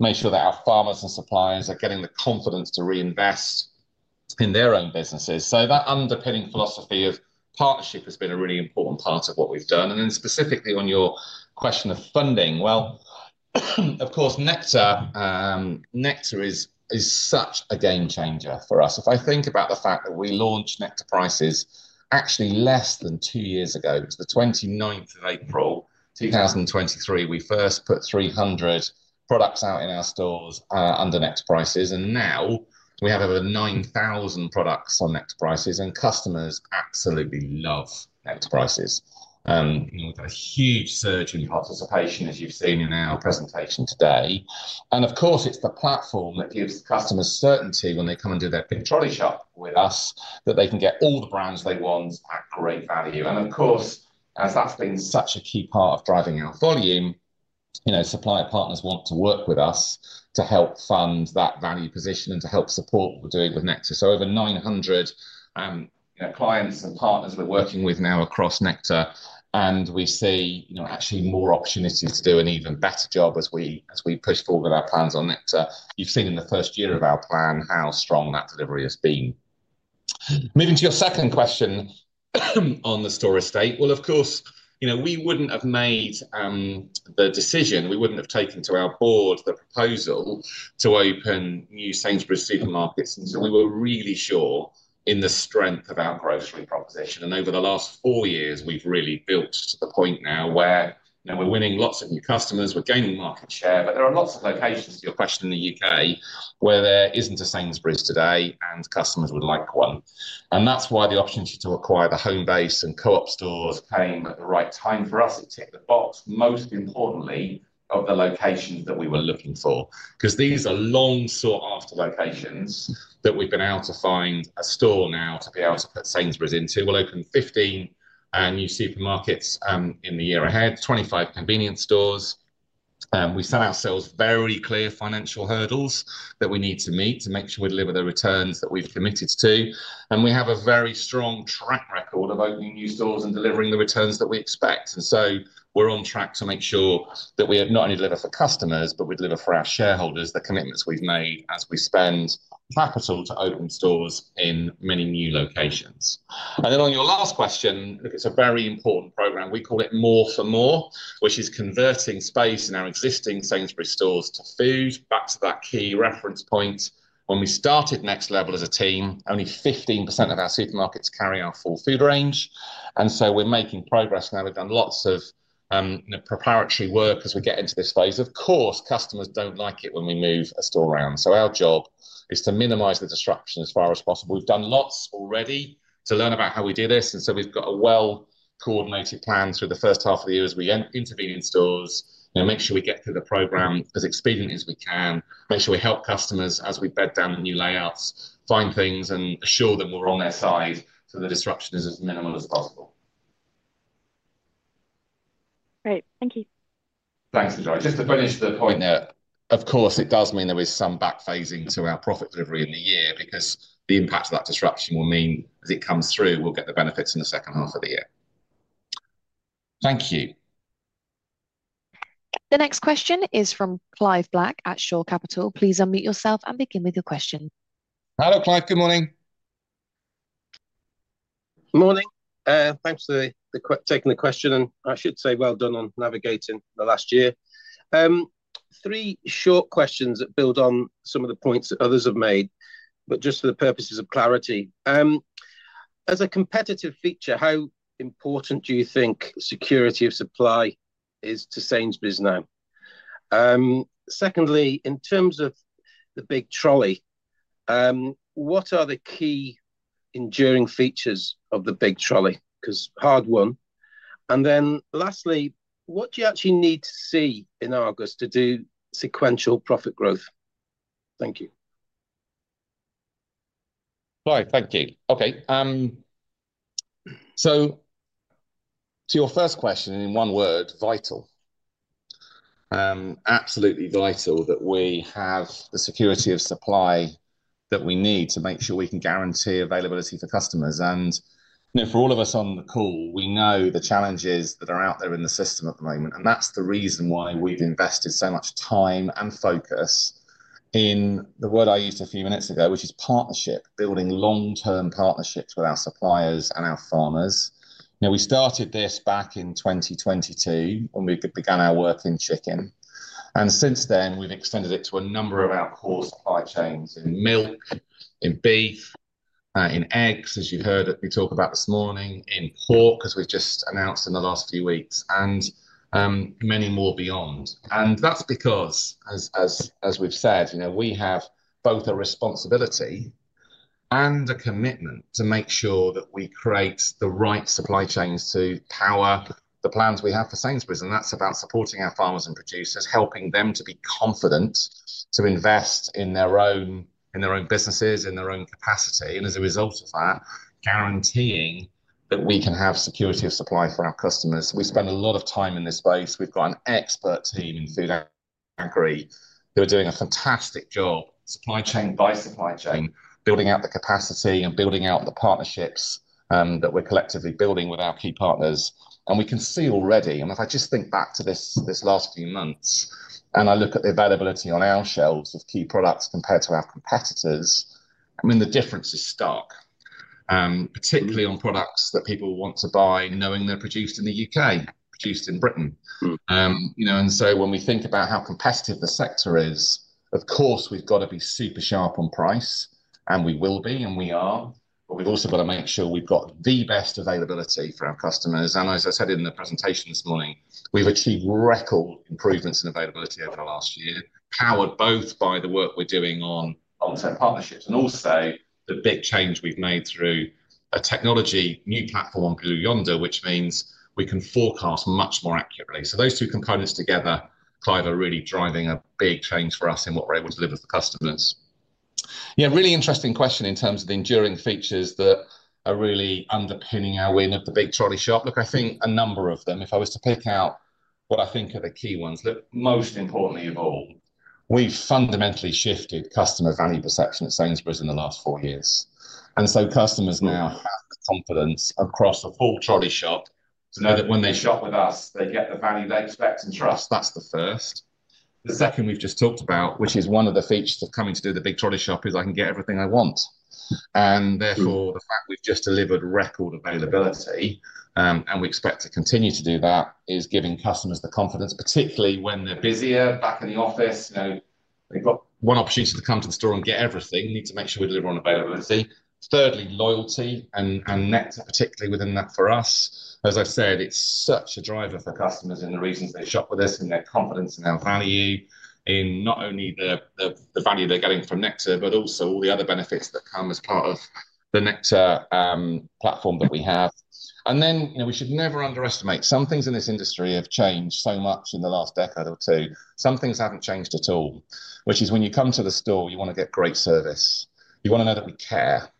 make sure that our farmers and suppliers are getting the confidence to reinvest in their own businesses. That underpinning philosophy of partnership has been a really important part of what we've done. Specifically on your question of funding, of course, Nectar is such a game changer for us. If I think about the fact that we launched Nectar Prices actually less than two years ago, to the 29th of April, 2023, we first put 300 products out in our stores under Nectar Prices. Now we have over 9,000 products on Nectar Prices, and customers absolutely love Nectar Prices. We've had a huge surge in participation, as you've seen in our presentation today. Of course, it's the platform that gives customers certainty when they come and do their pin trolley shop with us that they can get all the brands they want at great value. Of course, as that's been such a key part of driving our volume, supplier partners want to work with us to help fund that value position and to help support what we're doing with Nectar. Over 900 clients and partners we're working with now across Nectar, and we see actually more opportunities to do an even better job as we push forward with our plans on Nectar. You've seen in the first year of our plan how strong that delivery has been. Moving to your second question on the store estate, of course, we wouldn't have made the decision, we wouldn't have taken to our board the proposal to open new Sainsbury's supermarkets until we were really sure in the strength of our grocery proposition. Over the last four years, we've really built to the point now where we're winning lots of new customers, we're gaining market share, but there are lots of locations, to your question, in the U.K. where there isn't a Sainsbury's today and customers would like one. That is why the opportunity to acquire the Homebase and Co-op stores came at the right time for us. It ticked the box, most importantly, of the locations that we were looking for. These are long sought-after locations that we've been able to find a store now to be able to put Sainsbury's into. We'll open 15 new supermarkets in the year ahead, 25 convenience stores. We set ourselves very clear financial hurdles that we need to meet to make sure we deliver the returns that we've committed to. We have a very strong track record of opening new stores and delivering the returns that we expect. We are on track to make sure that we not only deliver for customers, but we deliver for our shareholders the commitments we have made as we spend capital to open stores in many new locations. On your last question, it is a very important program. We call it More for More, which is converting space in our existing Sainsbury's stores to food. Back to that key reference point. When we started Next Level as a team, only 15% of our supermarkets carry our full food range. We are making progress now. We have done lots of preparatory work as we get into this phase. Of course, customers do not like it when we move a store around. Our job is to minimize the disruption as far as possible. We've done lots already to learn about how we do this. We have a well-coordinated plan through the first half of the year as we intervene in stores, make sure we get through the program as expediently as we can, make sure we help customers as we bed down the new layouts, find things, and assure them we're on their side so the disruption is as minimal as possible. Great. Thank you. Thanks, Manjari. Just to finish the point there, of course, it does mean there is some back phasing to our profit delivery in the year because the impact of that disruption will mean as it comes through, we'll get the benefits in the second half of the year. Thank you. The next question is from Clive Black at Shore Capital. Please unmute yourself and begin with your question. Hello, Clive. Good morning. Good morning. Thanks for taking the question. I should say well done on navigating the last year. Three short questions that build on some of the points that others have made, just for the purposes of clarity. As a competitive feature, how important do you think security of supply is to Sainsbury's now? Secondly, in terms of the big trolley, what are the key enduring features of the big trolley? Because hard one. Lastly, what do you actually need to see in August to do sequential profit growth? Thank you. Right. Thank you. Okay. To your first question in one word, vital. Absolutely vital that we have the security of supply that we need to make sure we can guarantee availability for customers. For all of us on the call, we know the challenges that are out there in the system at the moment. That is the reason why we have invested so much time and focus in the word I used a few minutes ago, which is partnership, building long-term partnerships with our suppliers and our farmers. We started this back in 2022 when we began our work in chicken. Since then, we have extended it to a number of our core supply chains in milk, in beef, in eggs, as you have heard that we talk about this morning, in pork as we have just announced in the last few weeks, and many more beyond. That is because, as we've said, we have both a responsibility and a commitment to make sure that we create the right supply chains to power the plans we have for Sainsbury's. That is about supporting our farmers and producers, helping them to be confident to invest in their own businesses, in their own capacity. As a result of that, guaranteeing that we can have security of supply for our customers. We spend a lot of time in this space. We've got an expert team in food and agri who are doing a fantastic job, supply chain by supply chain, building out the capacity and building out the partnerships that we're collectively building with our key partners. We can see already, and if I just think back to these last few months and I look at the availability on our shelves of key products compared to our competitors, I mean, the difference is stark, particularly on products that people want to buy knowing they are produced in the U.K., produced in Britain. When we think about how competitive the sector is, of course, we have got to be super sharp on price, and we will be, and we are. We have also got to make sure we have the best availability for our customers. As I said in the presentation this morning, we have achieved record improvements in availability over the last year, powered both by the work we are doing on partnerships and also the big change we have made through a technology new platform on Blue Yonder, which means we can forecast much more accurately. Those two components together, Clive, are really driving a big change for us in what we're able to deliver for customers. Yeah, really interesting question in terms of the enduring features that are really underpinning our win of the big trolley shop. Look, I think a number of them, if I was to pick out what I think are the key ones, look, most importantly of all, we've fundamentally shifted customer value perception at Sainsbury's in the last four years. Customers now have the confidence across the full trolley shop to know that when they shop with us, they get the value they expect and trust. That's the first. The second we've just talked about, which is one of the features of coming to do the big trolley shop, is I can get everything I want. Therefore, the fact we've just delivered record availability and we expect to continue to do that is giving customers the confidence, particularly when they're busier back in the office. They've got one opportunity to come to the store and get everything. We need to make sure we deliver on availability. Thirdly, loyalty and Nectar, particularly within that for us. As I said, it's such a driver for customers in the reasons they shop with us, in their confidence in our value, in not only the value they're getting from Nectar, but also all the other benefits that come as part of the Nectar platform that we have. We should never underestimate. Some things in this industry have changed so much in the last decade or two. Some things haven't changed at all, which is when you come to the store, you want to get great service. You want to know that we care.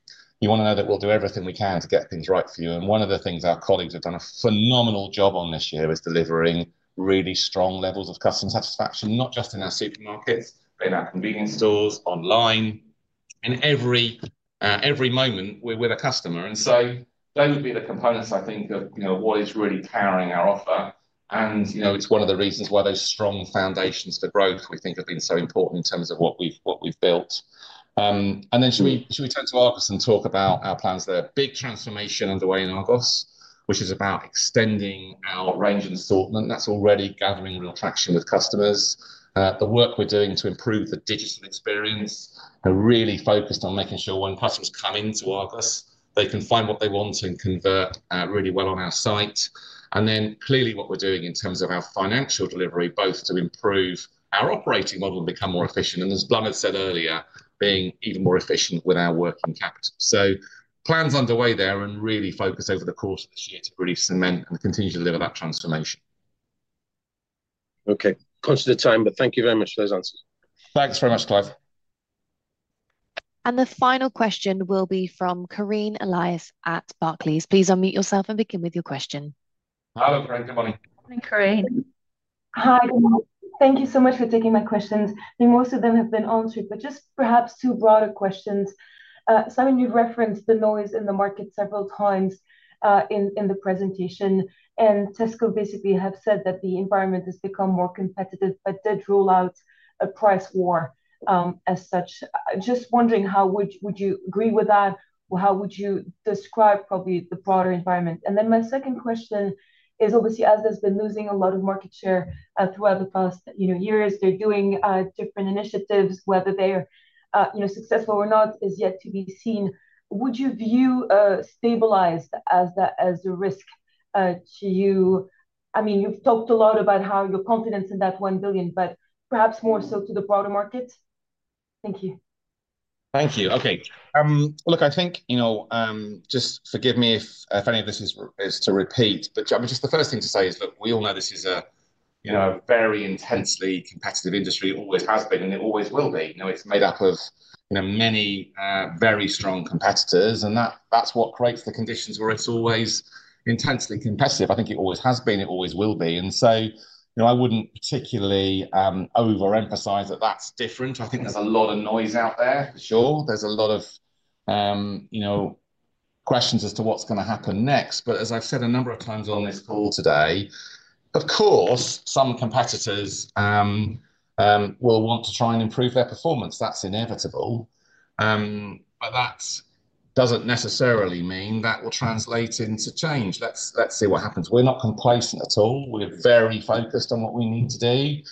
You want to know that we'll do everything we can to get things right for you. One of the things our colleagues have done a phenomenal job on this year is delivering really strong levels of customer satisfaction, not just in our supermarkets, but in our convenience stores, online. In every moment, we're with a customer. Those would be the components, I think, of what is really powering our offer. It is one of the reasons why those strong foundations for growth we think have been so important in terms of what we've built. Should we turn to Argos and talk about our plans there? Big transformation underway in Argos, which is about extending our range and assortment. That's already gathering real traction with customers. The work we're doing to improve the digital experience and really focused on making sure when customers come into Argos, they can find what they want and convert really well on our site. Clearly what we're doing in terms of our financial delivery, both to improve our operating model and become more efficient. As Bláthnaid said earlier, being even more efficient with our working capital. Plans underway there and really focus over the course of this year to really cement and continue to deliver that transformation. Okay. Conscious of time, but thank you very much for those answers. Thanks very much, Clive. The final question will be from Karine Elias at Barclays. Please unmute yourself and begin with your question. Hello, Karine. Good morning. Hi, Karine. Hi. Thank you so much for taking my questions. Most of them have been answered, but just perhaps two broader questions. Simon, you've referenced the noise in the market several times in the presentation. And Tesco basically have said that the environment has become more competitive, but did rule out a price war as such. Just wondering how would you agree with that? How would you describe probably the broader environment? My second question is obviously as Asda's been losing a lot of market share throughout the past years, they're doing different initiatives, whether they're successful or not is yet to be seen. Would you view stabilized as a risk to you? I mean, you've talked a lot about how your confidence in that 1 billion, but perhaps more so to the broader markets. Thank you. Thank you. Okay. Look, I think just forgive me if any of this is to repeat, but just the first thing to say is, look, we all know this is a very intensely competitive industry. It always has been and it always will be. It's made up of many very strong competitors. That's what creates the conditions where it's always intensely competitive. I think it always has been. It always will be. I wouldn't particularly overemphasize that that's different. I think there's a lot of noise out there, for sure. There's a lot of questions as to what's going to happen next. As I've said a number of times on this call today, of course, some competitors will want to try and improve their performance. That's inevitable. That doesn't necessarily mean that will translate into change. Let's see what happens. We're not complacent at all. We're very focused on what we need to do.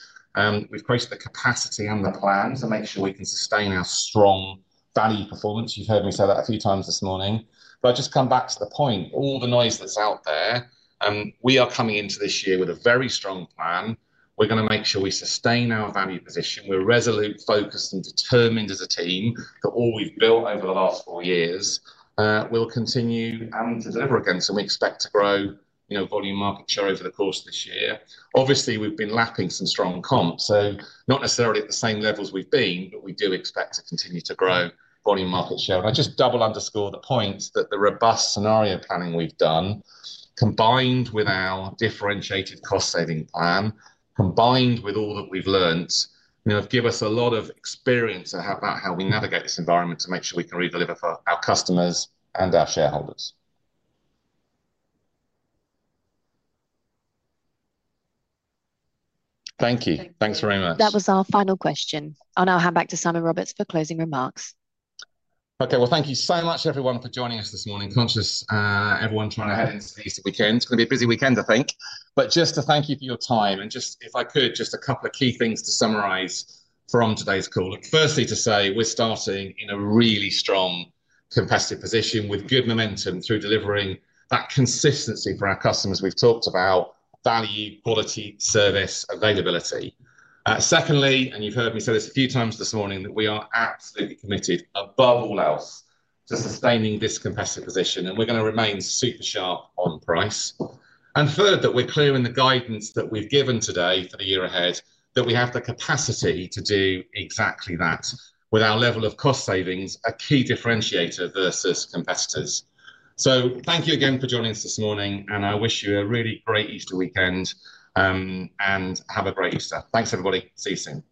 We've created the capacity and the plan to make sure we can sustain our strong value performance. You've heard me say that a few times this morning. I just come back to the point. All the noise that's out there, we are coming into this year with a very strong plan. We're going to make sure we sustain our value position. We're resolute, focused, and determined as a team for all we've built over the last four years. We'll continue to deliver against them. We expect to grow volume market share over the course of this year. Obviously, we've been lapping some strong comps. Not necessarily at the same levels we've been, but we do expect to continue to grow volume market share. I just double underscore the point that the robust scenario planning we've done, combined with our differentiated cost-saving plan, combined with all that we've learned, have given us a lot of experience about how we navigate this environment to make sure we can redeliver for our customers and our shareholders. Thank you. Thanks very much. That was our final question. I'll now hand back to Simon Roberts for closing remarks. Okay. Thank you so much, everyone, for joining us this morning. Conscious everyone trying to head into the weekend. It's going to be a busy weekend, I think. Just to thank you for your time. If I could, just a couple of key things to summarize from today's call. Firstly, to say we're starting in a really strong competitive position with good momentum through delivering that consistency for our customers we've talked about: value, quality, service, availability. Secondly, and you've heard me say this a few times this morning, we are absolutely committed, above all else, to sustaining this competitive position. We're going to remain super sharp on price. Third, we're clear in the guidance that we've given today for the year ahead that we have the capacity to do exactly that with our level of cost savings, a key differentiator versus competitors. Thank you again for joining us this morning. I wish you a really great Easter weekend and have a great Easter. Thanks, everybody. See you soon.